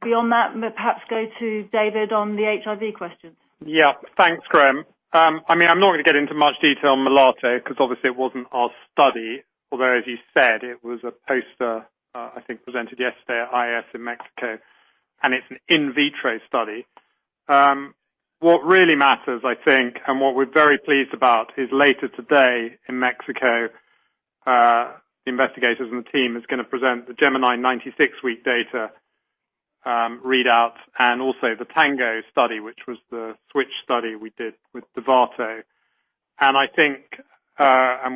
Beyond that, perhaps go to David on the HIV questions. Yeah. Thanks, Graham. I'm not going to get into much detail on MALATE because obviously it wasn't our study, although, as you said, it was a poster, I think, presented yesterday at IAS in Mexico, and it's an in vitro study. What really matters, I think, and what we're very pleased about is later today in Mexico, investigators and the team is going to present the GEMINI 96-week data readouts and also the TANGO study, which was the switch study we did with Dovato.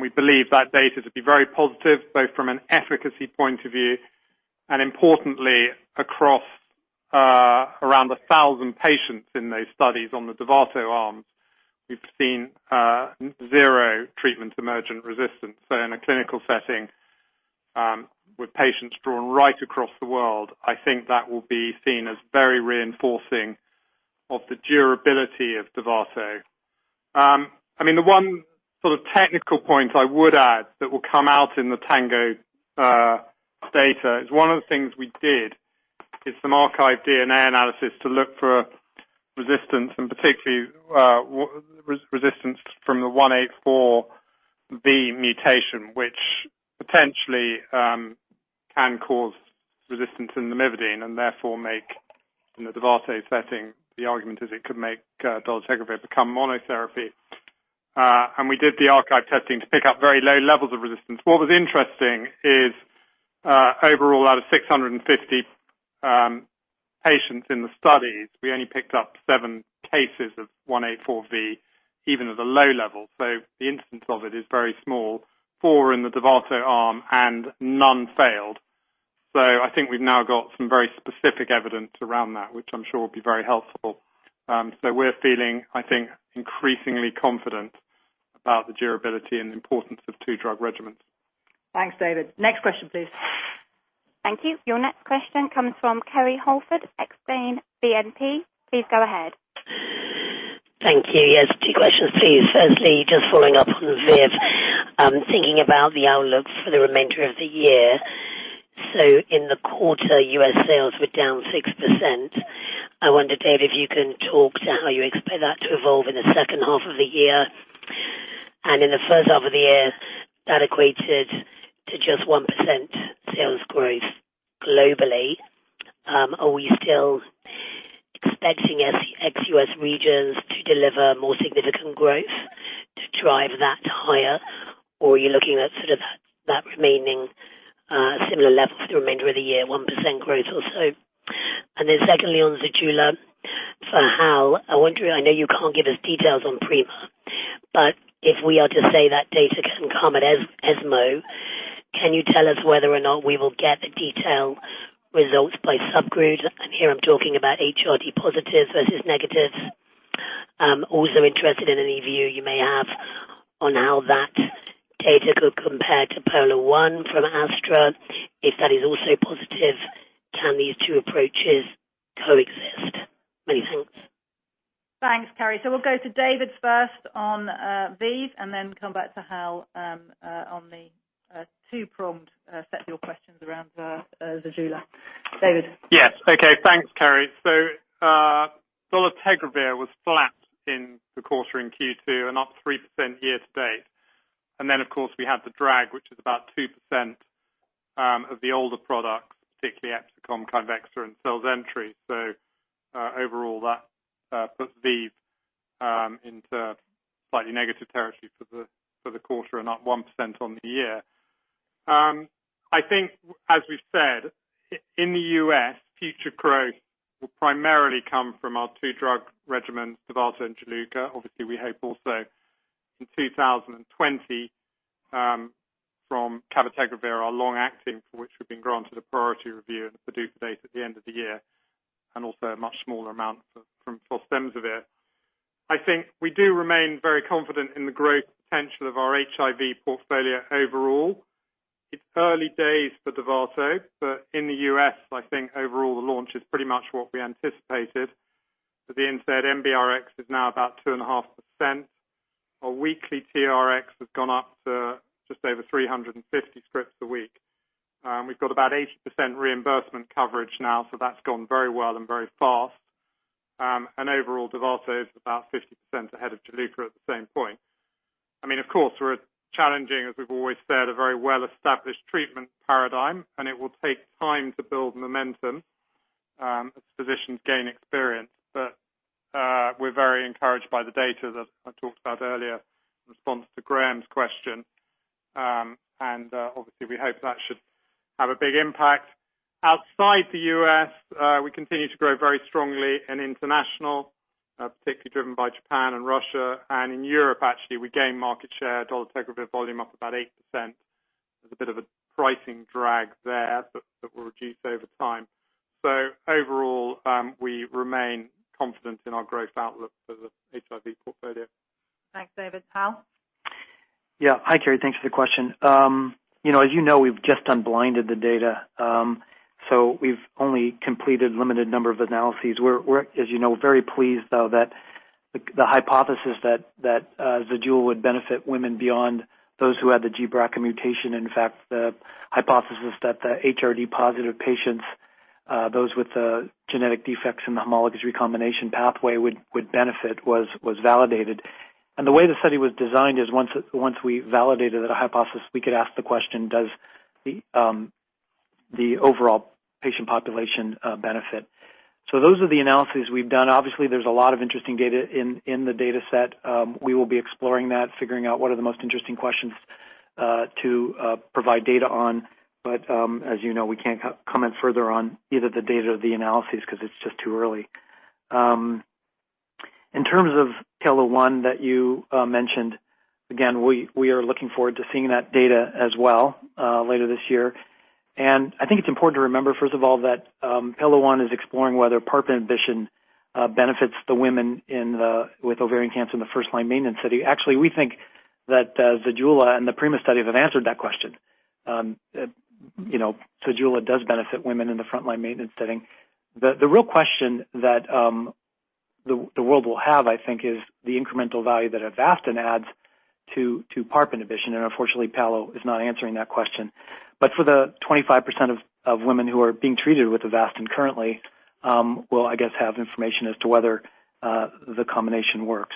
We believe that data to be very positive, both from an efficacy point of view and importantly, across around 1,000 patients in those studies on the Dovato arms. We've seen zero treatment-emergent resistance. In a clinical setting, with patients drawn right across the world, I think that will be seen as very reinforcing of the durability of Dovato. The one sort of technical point I would add that will come out in the TANGO data is one of the things we did is some archive DNA analysis to look for resistance, and particularly resistance from the M184V mutation, which potentially can cause resistance in lamivudine and therefore make, in the Dovato setting, the argument is it could make dolutegravir become monotherapy. We did the archive testing to pick up very low levels of resistance. What was interesting is, overall, out of 650 patients in the studies, we only picked up seven cases of M184V, even at a low level. The instance of it is very small. Four in the Dovato arm and none failed. I think we've now got some very specific evidence around that, which I'm sure will be very helpful. We're feeling, I think, increasingly confident about the durability and importance of two-drug regimens. Thanks, David. Next question, please. Thank you. Your next question comes from Kerry Holford, Exane BNP. Please go ahead. Thank you. Yes, two questions, please. Firstly, just following up on ViiV, thinking about the outlook for the remainder of the year. In the quarter, U.S. sales were down 6%. I wonder, David, if you can talk to how you expect that to evolve in the second half of the year. In the first half of the year, that equated to just 1% sales growth globally. Are we still expecting ex-U.S. regions to deliver more significant growth to drive that higher? Are you looking at sort of that remaining similar levels for the remainder of the year, 1% growth or so? Secondly, on Zejula, for Hal, I know you can't give us details on PRIMA, but if we are to say that data can come at ESMO, can you tell us whether or not we will get the detailed results by subgroup? Here, I'm talking about HRD positive versus negative. I'm also interested in any view you may have on how that data could compare to POLO-1 from Astra. That is also positive, can these two approaches coexist? Many thanks. Thanks, Kerry. We'll go to David first on ViiV, and then come back to Hal on the two-pronged set of your questions around Zejula. David. Yes. Okay. Thanks, Kerry. Dolutegravir was flat in the quarter in Q2 and up 3% year to date. Of course, we had the drag, which was about 2% of the older products, particularly Epzicom, Kivexa, and Selzentry. Overall, that puts ViiV into slightly negative territory for the quarter and up 1% on the year. I think, as we've said, in the U.S., future growth will primarily come from our two-drug regimens, Dovato and Juluca. Obviously, we hope also in 2020, from cabotegravir, our long-acting, for which we've been granted a priority review and a PDUFA date at the end of the year, and also a much smaller amount from rilpivirine. I think we do remain very confident in the growth potential of our HIV portfolio overall. It's early days for Dovato, but in the U.S., I think overall the launch is pretty much what we anticipated. For the inset, NBRx is now about 2.5%. Our weekly TRX has gone up to just over 350 scripts a week. We've got about 80% reimbursement coverage now, so that's gone very well and very fast. Overall, Dovato is about 50% ahead of Juluca at the same point. Of course, we're challenging, as we've always said, a very well-established treatment paradigm, and it will take time to build momentum as physicians gain experience. We're very encouraged by the data that I talked about earlier in response to Graham's question. Obviously we hope that should have a big impact. Outside the U.S., we continue to grow very strongly in international, particularly driven by Japan and Russia. In Europe actually, we gain market share, dolutegravir volume up about 8%. There's a bit of a pricing drag there, but that will reduce over time. Overall, we remain confident in our growth outlook for the HIV portfolio. Thanks, David. Hal? Hi, Kerry, thanks for the question. As you know, we've just unblinded the data. We've only completed limited number of analyses. We're, as you know, very pleased though that the hypothesis that Zejula would benefit women beyond those who had the gBRCA mutation, in fact, the hypothesis that the HRD positive patients, those with the genetic defects in the homologous recombination pathway would benefit was validated. The way the study was designed is once we validated that hypothesis, we could ask the question, "Does the overall patient population benefit?" Those are the analyses we've done. Obviously, there's a lot of interesting data in the data set. We will be exploring that, figuring out what are the most interesting questions to provide data on. As you know, we can't comment further on either the data or the analyses because it's just too early. In terms of PAOLA-1 that you mentioned, again, we are looking forward to seeing that data as well, later this year. I think it's important to remember, first of all, that PAOLA-1 is exploring whether PARP inhibition benefits the women with ovarian cancer in the first-line maintenance study. Actually, we think that Zejula and the PRIMA study have answered that question. Zejula does benefit women in the frontline maintenance setting. The real question that the world will have, I think, is the incremental value that Avastin adds to PARP inhibition. Unfortunately, PAOLA is not answering that question. For the 25% of women who are being treated with Avastin currently, will, I guess, have information as to whether the combination works.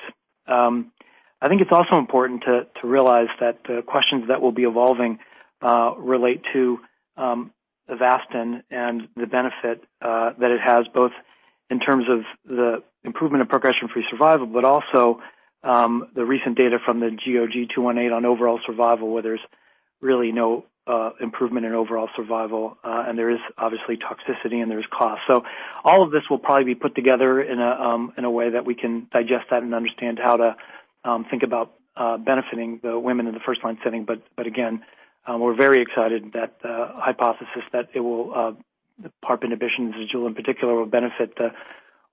I think it's also important to realize that the questions that will be evolving relate to Avastin and the benefit that it has, both in terms of the improvement of progression-free survival, but also the recent data from the GOG 218 on overall survival where there's really no improvement in overall survival. There is obviously toxicity and there is cost. All of this will probably be put together in a way that we can digest that and understand how to think about benefiting the women in the first-line setting. Again, we're very excited that the hypothesis that it will, the PARP inhibition, Zejula in particular, will benefit the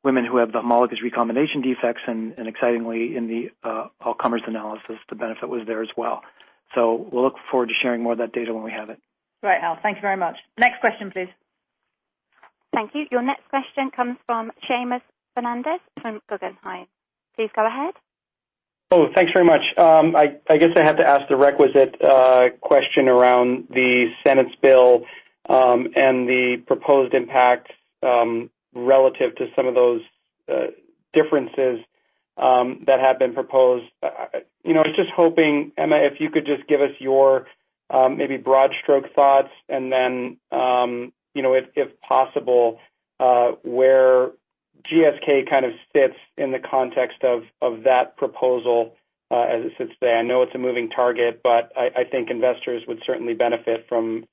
women who have the homologous recombination defects and excitingly in the all-comers analysis, the benefit was there as well. We'll look forward to sharing more of that data when we have it. Great, Hal. Thank you very much. Next question, please. Thank you. Your next question comes from Seamus Fernandez from Guggenheim. Please go ahead. Oh, thanks very much. I guess I have to ask the requisite question around the Senate's bill, and the proposed impact relative to some of those differences that have been proposed. I was just hoping, Emma, if you could just give us your maybe broad stroke thoughts and then, if possible, where GSK kind of fits in the context of that proposal as it sits today. I know it's a moving target, I think investors would certainly benefit from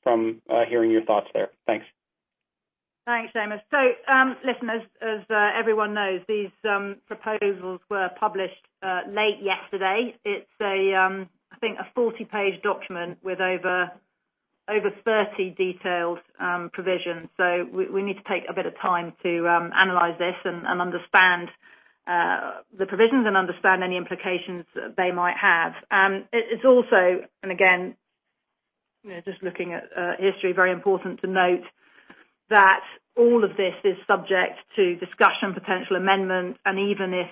hearing your thoughts there. Thanks. Thanks, Seamus. Listen, as everyone knows, these proposals were published late yesterday. It's I think a 40-page document with over 30 detailed provisions. We need to take a bit of time to analyze this and understand the provisions and understand any implications they might have. It is also, and again, just looking at history, very important to note that all of this is subject to discussion, potential amendment, and even if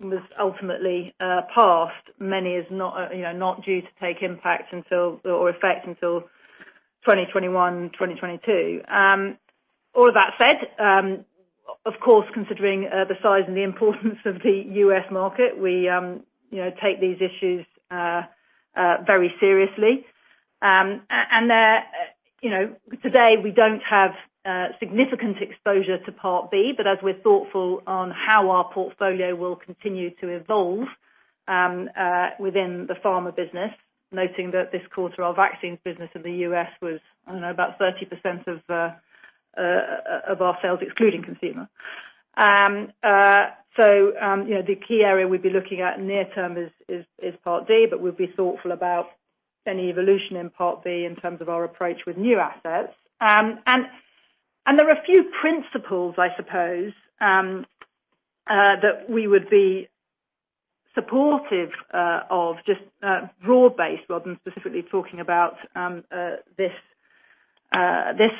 this ultimately passed, many is not due to take impact or effect until 2021, 2022. All of that said, of course, considering the size and the importance of the U.S. market, we take these issues very seriously. Today we don't have significant exposure to Part B, but as we're thoughtful on how our portfolio will continue to evolve within the pharma business, noting that this quarter our vaccines business in the U.S. was, I don't know, about 30% of our sales excluding consumer. The key area we'd be looking at near term is Part D, but we'd be thoughtful about any evolution in Part B in terms of our approach with new assets. There are a few principles, I suppose, that we would be supportive of just broad-based rather than specifically talking about this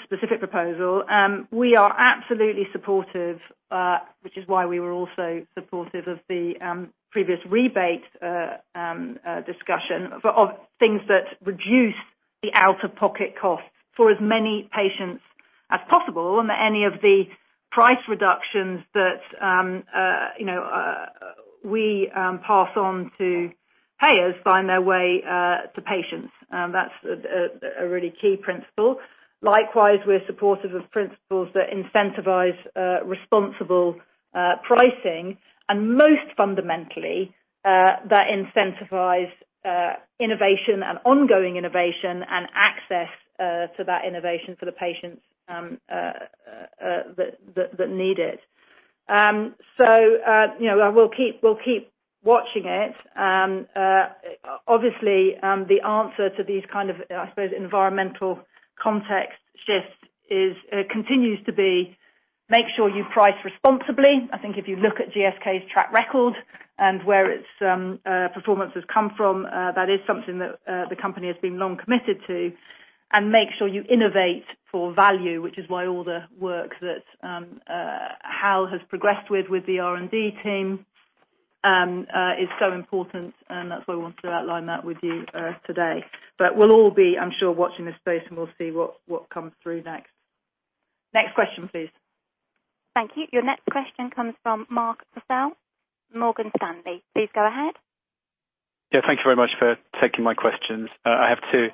specific proposal. We are absolutely supportive, which is why we were also supportive of the previous rebate discussion of things that reduce the out-of-pocket cost for as many patients as possible, and any of the price reductions that we pass on to payers find their way to patients. That's a really key principle. Likewise, we're supportive of principles that incentivize responsible pricing, and most fundamentally, that incentivize innovation and ongoing innovation and access to that innovation for the patients that need it. We'll keep watching it. Obviously, the answer to these kind of, I suppose, environmental context shifts continues to be make sure you price responsibly. I think if you look at GSK's track record and where its performance has come from, that is something that the company has been long committed to. Make sure you innovate for value, which is why all the work that Hal has progressed with the R&D team is so important, and that's why we wanted to outline that with you today. We'll all be, I'm sure, watching this space and we'll see what comes through next. Next question, please. Thank you. Your next question comes from Mark Purcell, Morgan Stanley. Please go ahead. Thank you very much for taking my questions. I have two.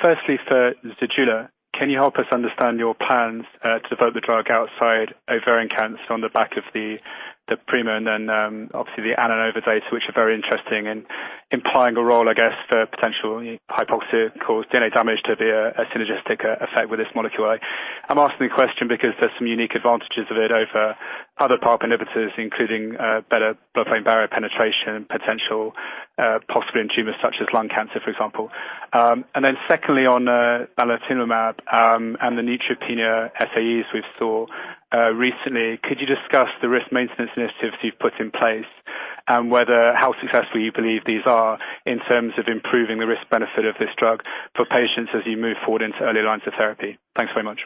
Firstly, for Zejula, can you help us understand your plans to develop the drug outside ovarian cancer on the back of the PRIMA and obviously the AVANOVA data, which are very interesting and implying a role, I guess, for potential hypoxia-caused DNA damage to be a synergistic effect with this molecule. I'm asking the question because there's some unique advantages of it over other PARP inhibitors, including better blood-brain barrier penetration potential, possibly in tumors such as lung cancer, for example. Secondly, on otilimab, and the neutropenia SAEs we saw recently. Could you discuss the risk maintenance initiatives you've put in place? How successful you believe these are in terms of improving the risk-benefit of this drug for patients as you move forward into early lines of therapy? Thanks very much.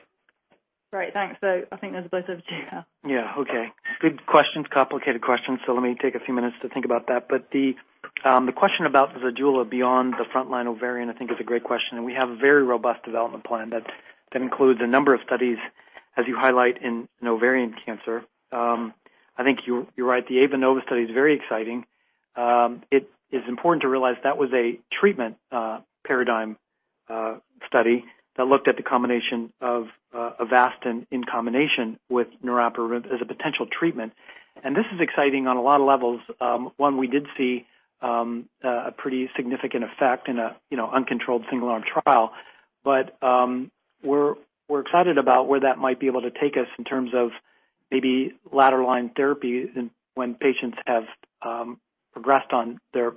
Great, thanks. I think those are both over to you, Hal. Yeah. Okay. Good questions. Complicated questions. Let me take a few minutes to think about that. The question about the Zejula beyond the frontline ovarian, I think, is a great question, and we have a very robust development plan that includes a number of studies, as you highlight in ovarian cancer. I think you're right. The AVANOVA study is very exciting. It is important to realize that was a treatment paradigm study that looked at the combination of Avastin in combination with niraparib as a potential treatment. This is exciting on a lot of levels. One, we did see a pretty significant effect in a uncontrolled single arm trial. We're excited about where that might be able to take us in terms of maybe latter line therapy when patients have progressed on their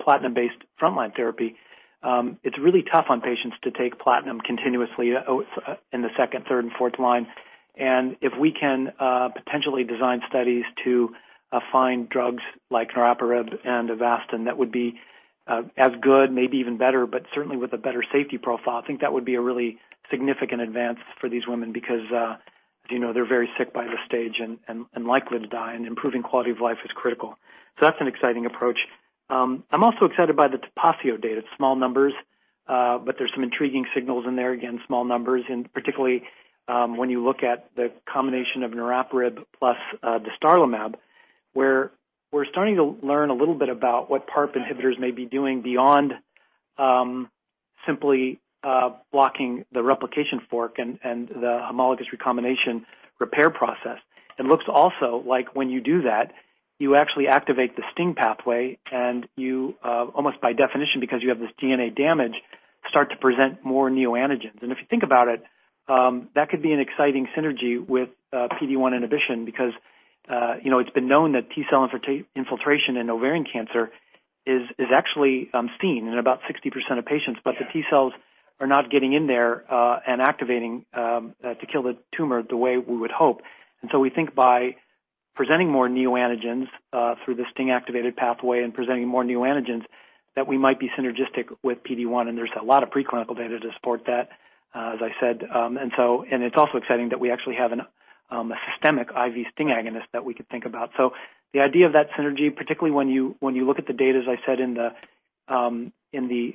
platinum-based frontline therapy. It's really tough on patients to take platinum continuously in the second, third, and fourth line. If we can potentially design studies to find drugs like niraparib and Avastin that would be as good, maybe even better, but certainly with a better safety profile, I think that would be a really significant advance for these women because as you know, they're very sick by this stage and likely to die, and improving quality of life is critical. That's an exciting approach. I'm also excited by the TOPACIO data. Small numbers, there's some intriguing signals in there. Again, small numbers, particularly when you look at the combination of niraparib plus dostarlimab, where we're starting to learn a little bit about what PARP inhibitors may be doing beyond simply blocking the replication fork and the homologous recombination repair process. It looks also like when you do that, you actually activate he STING pathway, you almost by definition, because you have this DNA damage, start to present more neoantigens. If you think about it, that could be an exciting synergy with PD-1 inhibition because it's been known that T cell infiltration in ovarian cancer is actually seen in about 60% of patients. The T cells are not getting in there and activating to kill the tumor the way we would hope. We think by presenting more neoantigens through the STING activated pathway and presenting more neoantigens, that we might be synergistic with PD-1, there's a lot of preclinical data to support that, as I said. It's also exciting that we actually have a systemic IV STING agonist that we could think about. The idea of that synergy, particularly when you look at the data, as I said in the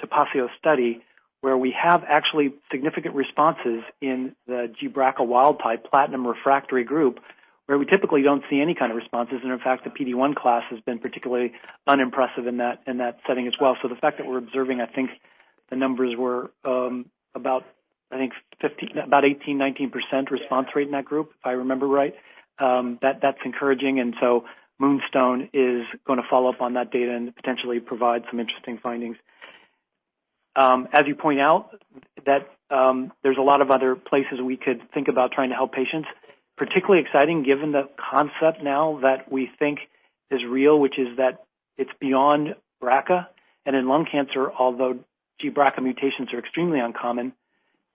TOPACIO study, where we have actually significant responses in the gBRCA wild type platinum refractory group, where we typically don't see any kind of responses. In fact, the PD-1 class has been particularly unimpressive in that setting as well. The fact that we're observing, I think the numbers were about 18%, 19% response rate in that group, if I remember right. That's encouraging. MOONSTONE is going to follow up on that data and potentially provide some interesting findings. As you point out, there's a lot of other places we could think about trying to help patients. Particularly exciting given the concept now that we think is real, which is that it's beyond BRCA and in lung cancer, although gBRCA mutations are extremely uncommon,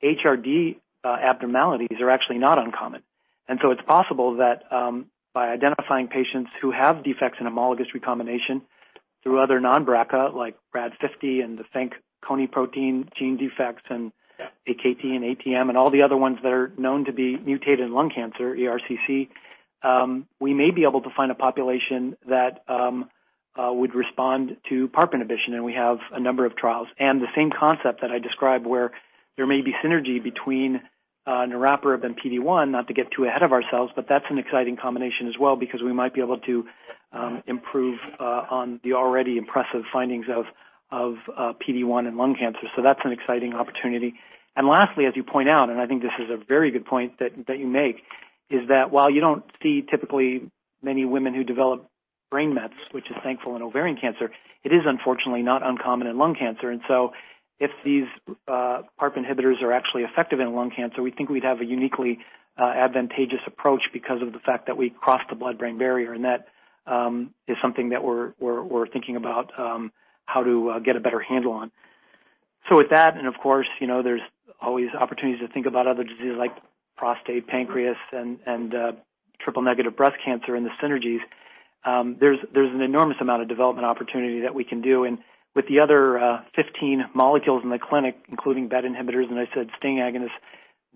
HRD abnormalities are actually not uncommon. It's possible that by identifying patients who have defects in homologous recombination through other non-BRCA like RAD51 and the Fanconi protein gene defects and- Yeah AKT and ATM and all the other ones that are known to be mutated in lung cancer, ERCC, we may be able to find a population that would respond to PARP inhibition, we have a number of trials. The same concept that I described where there may be synergy between niraparib and PD-1, not to get too ahead of ourselves, but that's an exciting combination as well because we might be able to improve on the already impressive findings of PD-1 and lung cancer. That's an exciting opportunity. Lastly, as you point out, and I think this is a very good point that you make, is that while you don't see typically many women who develop brain mets, which is thankful in ovarian cancer, it is unfortunately not uncommon in lung cancer. If these PARP inhibitors are actually effective in lung cancer, we think we'd have a uniquely advantageous approach because of the fact that we cross the blood-brain barrier, and that is something that we're thinking about how to get a better handle on. With that, and of course, there's always opportunities to think about other diseases like prostate, pancreas, and triple negative breast cancer in the synergies. There's an enormous amount of development opportunity that we can do. With the other 15 molecules in the clinic, including BET inhibitors, and I said STING agonists,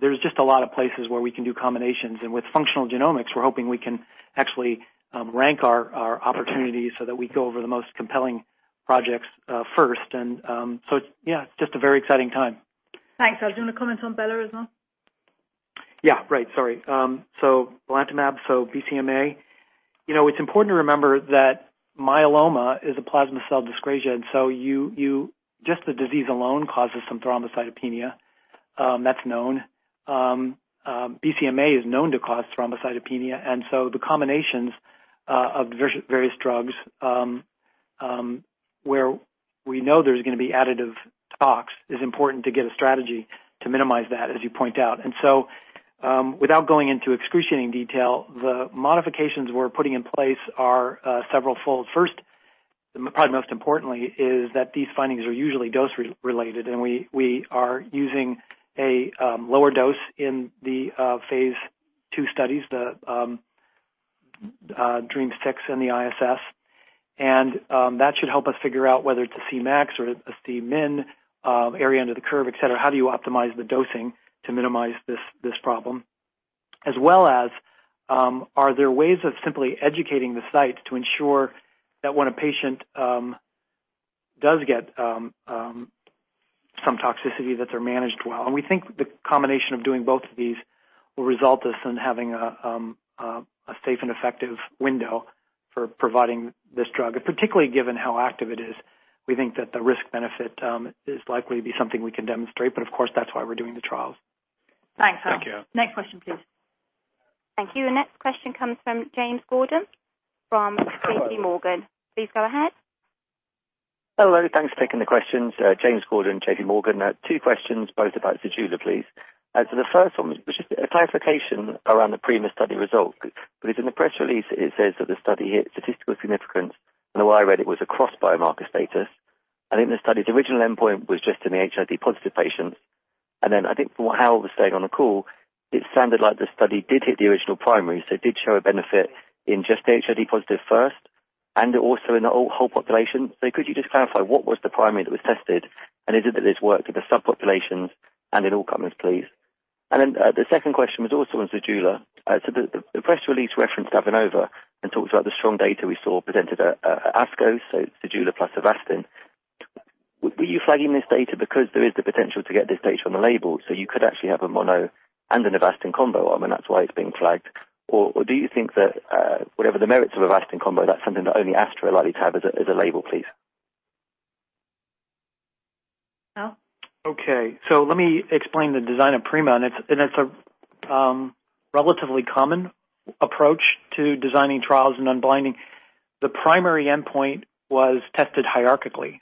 there's just a lot of places where we can do combinations. With functional genomics, we're hoping we can actually rank our opportunities so that we go over the most compelling projects first. Yeah, just a very exciting time. Thanks. Do you want to comment on belantamab? Right. Sorry. Belantamab, BCMA. It's important to remember that myeloma is a plasma cell dyscrasia, just the disease alone causes some thrombocytopenia. That's known. BCMA is known to cause thrombocytopenia, the combinations of various drugs, where we know there's going to be additive tox, is important to get a strategy to minimize that, as you point out. Without going into excruciating detail, the modifications we're putting in place are several fold. First, probably most importantly, is that these findings are usually dose-related, we are using a lower dose in the phase II studies, the DREAMM-6 and the ISS. That should help us figure out whether it's a Cmax or it's a Cmin, area under the curve, et cetera. How do you optimize the dosing to minimize this problem? As well as, are there ways of simply educating the site to ensure that when a patient does get some toxicity that they're managed well? We think that the combination of doing both of these will result in us having a safe and effective window for providing this drug. Particularly given how active it is, we think that the risk-benefit is likely to be something we can demonstrate. Of course, that's why we're doing the trials. Thanks, Hal. Thank you. Next question, please. Thank you. The next question comes from James Gordon from JPMorgan. Please go ahead. Hello. Thanks for taking the questions. James Gordon, JPMorgan. Two questions, both about Zejula, please. The first one was just a clarification around the PRIMA study result, because in the press release it says that the study hit statistical significance, and the way I read it was across biomarker status. I think the study's original endpoint was just in the HRD positive patients. I think from what Hal was saying on the call, it sounded like the study did hit the original primary, it did show a benefit in just the HRD positive first and also in the whole population. Could you just clarify what was the primary that was tested, and is it that this worked in the subpopulations and in all comers, please? The second question was also on Zejula. The press release referenced AVANOVA and talks about the strong data we saw presented at ASCO, so Zejula plus Avastin. Were you flagging this data because there is the potential to get this data on the label, so you could actually have a mono and an Avastin combo, and that's why it's being flagged? Or do you think that, whatever the merits of Avastin combo, that's something that only AstraZeneca are likely to have as a label, please? Hal? Okay. Let me explain the design of PRIMA, and it's a relatively common approach to designing trials and unblinding. The primary endpoint was tested hierarchically.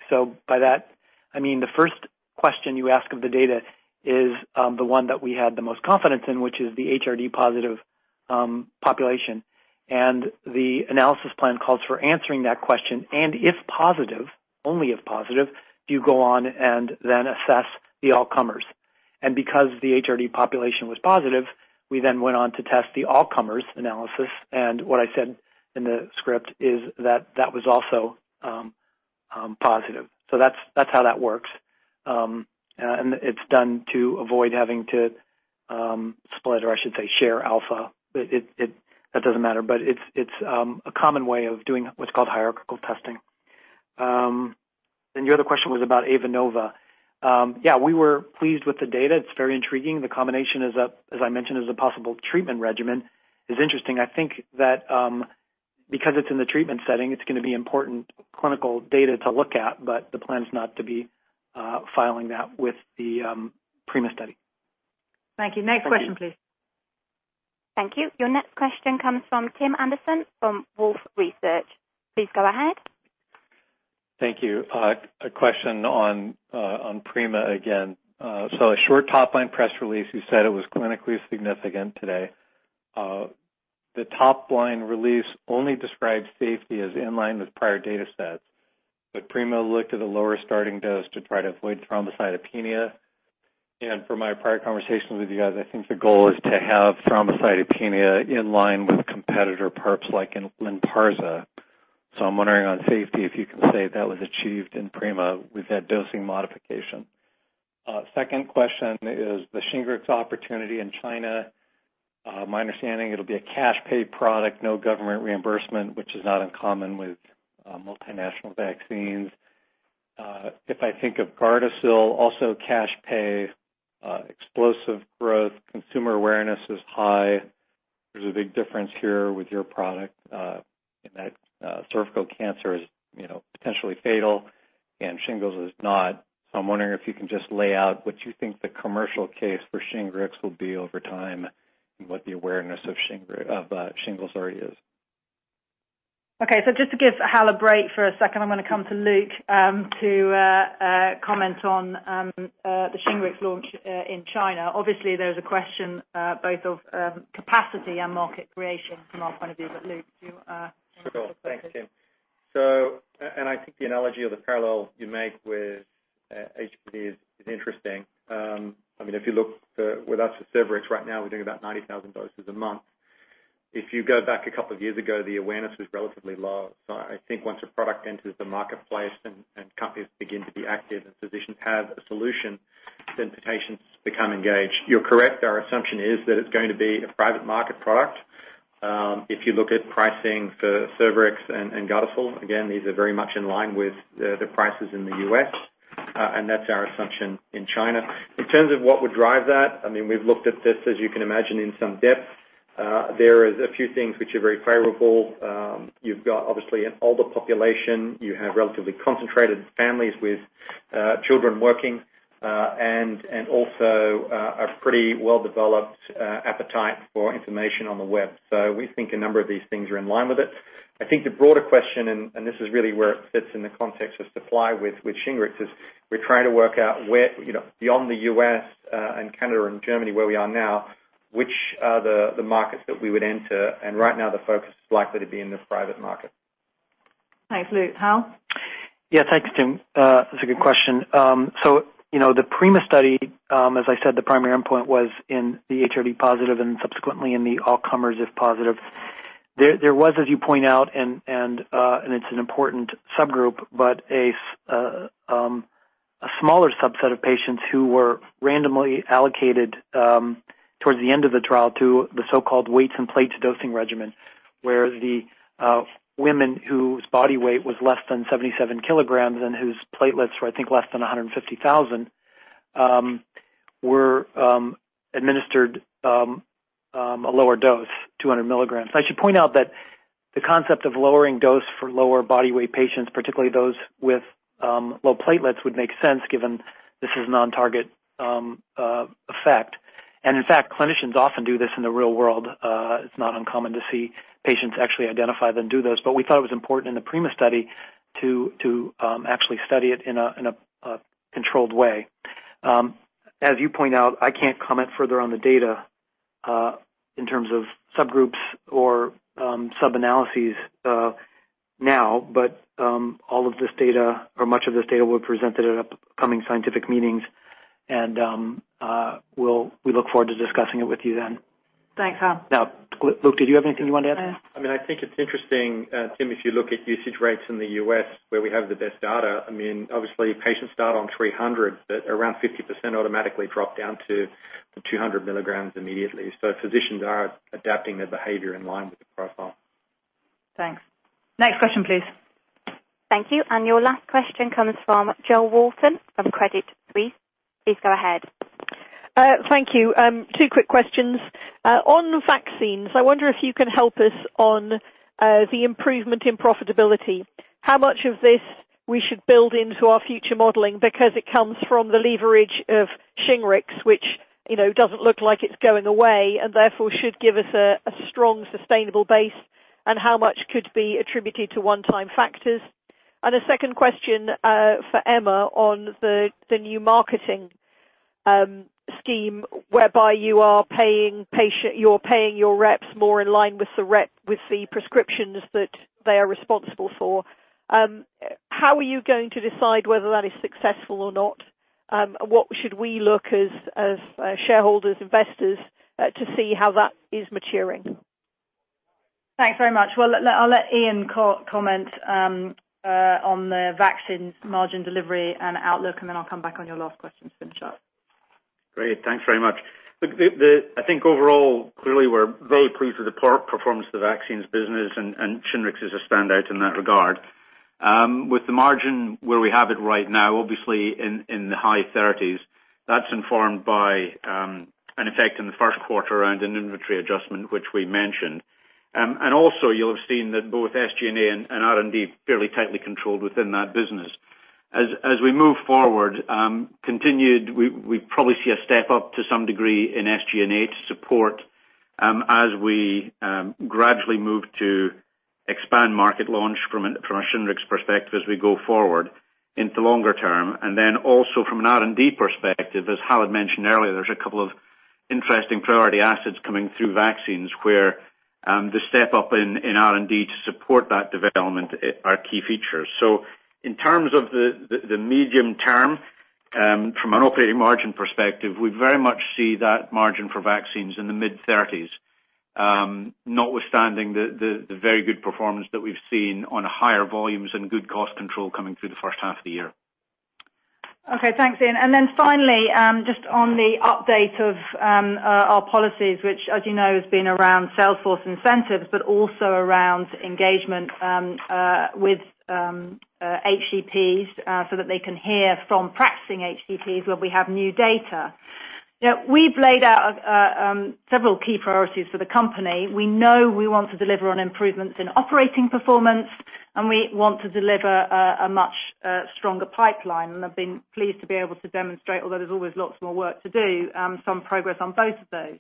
By that, I mean the first question you ask of the data is the one that we had the most confidence in, which is the HRD positive population. The analysis plan calls for answering that question. If positive, only if positive, do you go on and then assess the all comers. Because the HRD population was positive, we then went on to test the all comers analysis. What I said in the script is that that was also positive. That's how that works. It's done to avoid having to split, or I should say share alpha. That doesn't matter. It's a common way of doing what's called hierarchical testing. Your other question was about AVANOVA. We were pleased with the data. It's very intriguing. The combination, as I mentioned, as a possible treatment regimen is interesting. I think that because it's in the treatment setting, it's going to be important clinical data to look at. The plan's not to be filing that with the PRIMA study. Thank you. Next question, please. Thank you. Your next question comes from Tim Anderson from Wolfe Research. Please go ahead. Thank you. A question on PRIMA again. A short top-line press release, you said it was clinically significant today. The top-line release only describes safety as in line with prior data sets, PRIMA looked at a lower starting dose to try to avoid thrombocytopenia. From my prior conversations with you guys, I think the goal is to have thrombocytopenia in line with competitor PARPs like Lynparza. I'm wondering on safety, if you can say if that was achieved in PRIMA with that dosing modification? Second question is the Shingrix opportunity in China. My understanding, it'll be a cash pay product, no government reimbursement, which is not uncommon with multinational vaccines. If I think of Gardasil, also cash pay, explosive growth, consumer awareness is high. There's a big difference here with your product, in that cervical cancer is potentially fatal and shingles is not. I'm wondering if you can just lay out what you think the commercial case for Shingrix will be over time, and what the awareness of shingles already is? Just to give Hal a break for a second, I am going to come to Luke to comment on the Shingrix launch in China. There is a question both of capacity and market creation from our point of view. Sure. Thanks, Tim. I think the analogy or the parallel you make with HPV is interesting. If you look with us with Shingrix right now, we're doing about 90,000 doses a month. If you go back a couple of years ago, the awareness was relatively low. I think once a product enters the marketplace and companies begin to be active and physicians have a solution, then patients become engaged. You're correct, our assumption is that it's going to be a private market product. If you look at pricing for Shingrix and Gardasil, again, these are very much in line with the prices in the U.S., and that's our assumption in China. In terms of what would drive that, we've looked at this, as you can imagine, in some depth. There is a few things which are very favorable. You've got, obviously, an older population, you have relatively concentrated families with children working, and also, a pretty well-developed appetite for information on the web. We think a number of these things are in line with it. I think the broader question, and this is really where it fits in the context of supply with Shingrix, is we're trying to work out where, beyond the U.S. and Canada and Germany, where we are now, which are the markets that we would enter, and right now the focus is likely to be in this private market. Thanks, Luke. Hal? Yeah, thanks, Tim. It's a good question. The PRIMA study, as I said, the primary endpoint was in the HRD positive and subsequently in the all comers if positive. There was, as you point out, and it's an important subgroup, but a smaller subset of patients who were randomly allocated towards the end of the trial to the so-called weights and platelets dosing regimen, where the women whose body weight was less than 77 kg and whose platelets were, I think, less than 150,000, were administered a lower dose, 200 mg. I should point out that the concept of lowering dose for lower body weight patients, particularly those with low platelets, would make sense given this is non-target effect. In fact, clinicians often do this in the real world. It's not uncommon to see patients actually identify then do this. We thought it was important in the PRIMA study to actually study it in a controlled way. As you point out, I can't comment further on the data, in terms of subgroups or sub-analyses now. All of this data, or much of this data, will be presented at upcoming scientific meetings, and we look forward to discussing it with you then. Thanks, Hal. Now, Luke, did you have anything you wanted to add? I think it's interesting, Tim, if you look at usage rates in the U.S. where we have the best data. Obviously, patients start on 300, but around 50% automatically drop down to the 200 mg immediately. Physicians are adapting their behavior in line with the profile. Thanks. Next question, please. Thank you. Your last question comes from Jo Walton of Credit Suisse. Please go ahead. Thank you. Two quick questions. On vaccines, I wonder if you can help us on the improvement in profitability. How much of this we should build into our future modeling because it comes from the leverage of Shingrix, which doesn't look like it's going away, and therefore should give us a strong, sustainable base, and how much could be attributed to one-time factors? A second question, for Emma on the new marketing scheme whereby you're paying your reps more in line with the prescriptions that they are responsible for. How are you going to decide whether that is successful or not? What should we look as shareholders, investors, to see how that is maturing? Thanks very much. I'll let Iain comment on the vaccines margin delivery and outlook, and then I'll come back on your last question, Jo. Great. Thanks very much. I think overall, clearly we're very pleased with the performance of the vaccines business and Shingrix is a standout in that regard. With the margin where we have it right now, obviously in the high 30s, that's informed by an effect in the first quarter around an inventory adjustment, which we mentioned. Also, you'll have seen that both SG&A and R&D fairly tightly controlled within that business. As we move forward, continued, we probably see a step up to some degree in SG&A to support as we gradually move to expand market launch from a Shingrix perspective as we go forward into longer term. Also from an R&D perspective, as Hal had mentioned earlier, there's a couple of interesting priority assets coming through vaccines where the step up in R&D to support that development are key features. In terms of the medium term, from an operating margin perspective, we very much see that margin for vaccines in the mid-30s. Notwithstanding the very good performance that we've seen on higher volumes and good cost control coming through the first half of the year. Okay, thanks, Iain. Finally, just on the update of our policies, which as you know, has been around sales force incentives, but also around engagement with HCPs so that they can hear from practicing HCPs where we have new data. We've laid out several key priorities for the company. We know we want to deliver on improvements in operating performance, and we want to deliver a much stronger pipeline, and I've been pleased to be able to demonstrate, although there's always lots more work to do, some progress on both of those.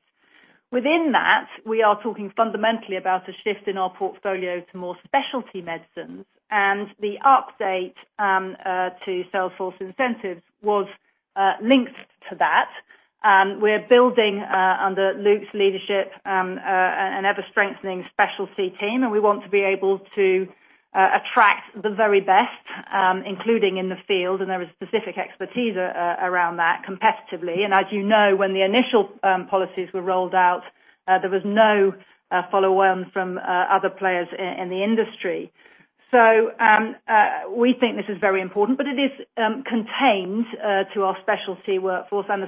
Within that, we are talking fundamentally about a shift in our portfolio to more specialty medicines, and the update to sales force incentives was linked to that. We're building, under Luke's leadership, an ever-strengthening specialty team. We want to be able to attract the very best, including in the field, and there is specific expertise around that competitively. As you know, when the initial policies were rolled out, there was no follow-on from other players in the industry. We think this is very important, but it is contained to our specialty workforce and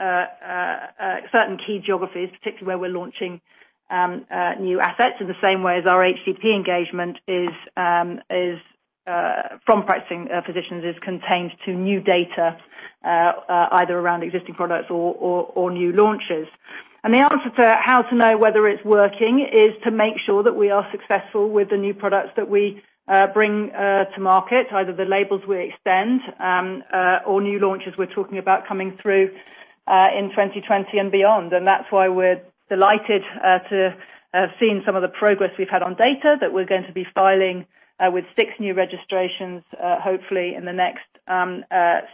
certain key geographies, particularly where we're launching new assets in the same way as our HCP engagement from practicing physicians is contained to new data, either around existing products or new launches. The answer to how to know whether it's working is to make sure that we are successful with the new products that we bring to market, either the labels we extend or new launches we're talking about coming through in 2020 and beyond. That's why we're delighted to have seen some of the progress we've had on data that we're going to be filing with six new registrations hopefully in the next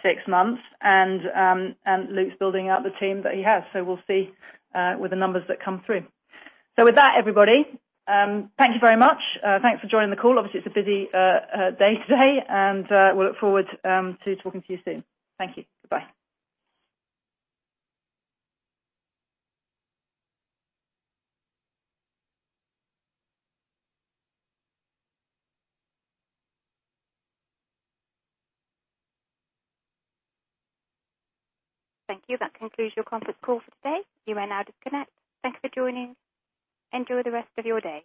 six months. Luke's building out the team that he has. We'll see with the numbers that come through. With that, everybody, thank you very much. Thanks for joining the call. Obviously, it's a busy day today, and we look forward to talking to you soon. Thank you. Bye. Thank you. That concludes your conference call for today. You may now disconnect. Thank you for joining. Enjoy the rest of your day.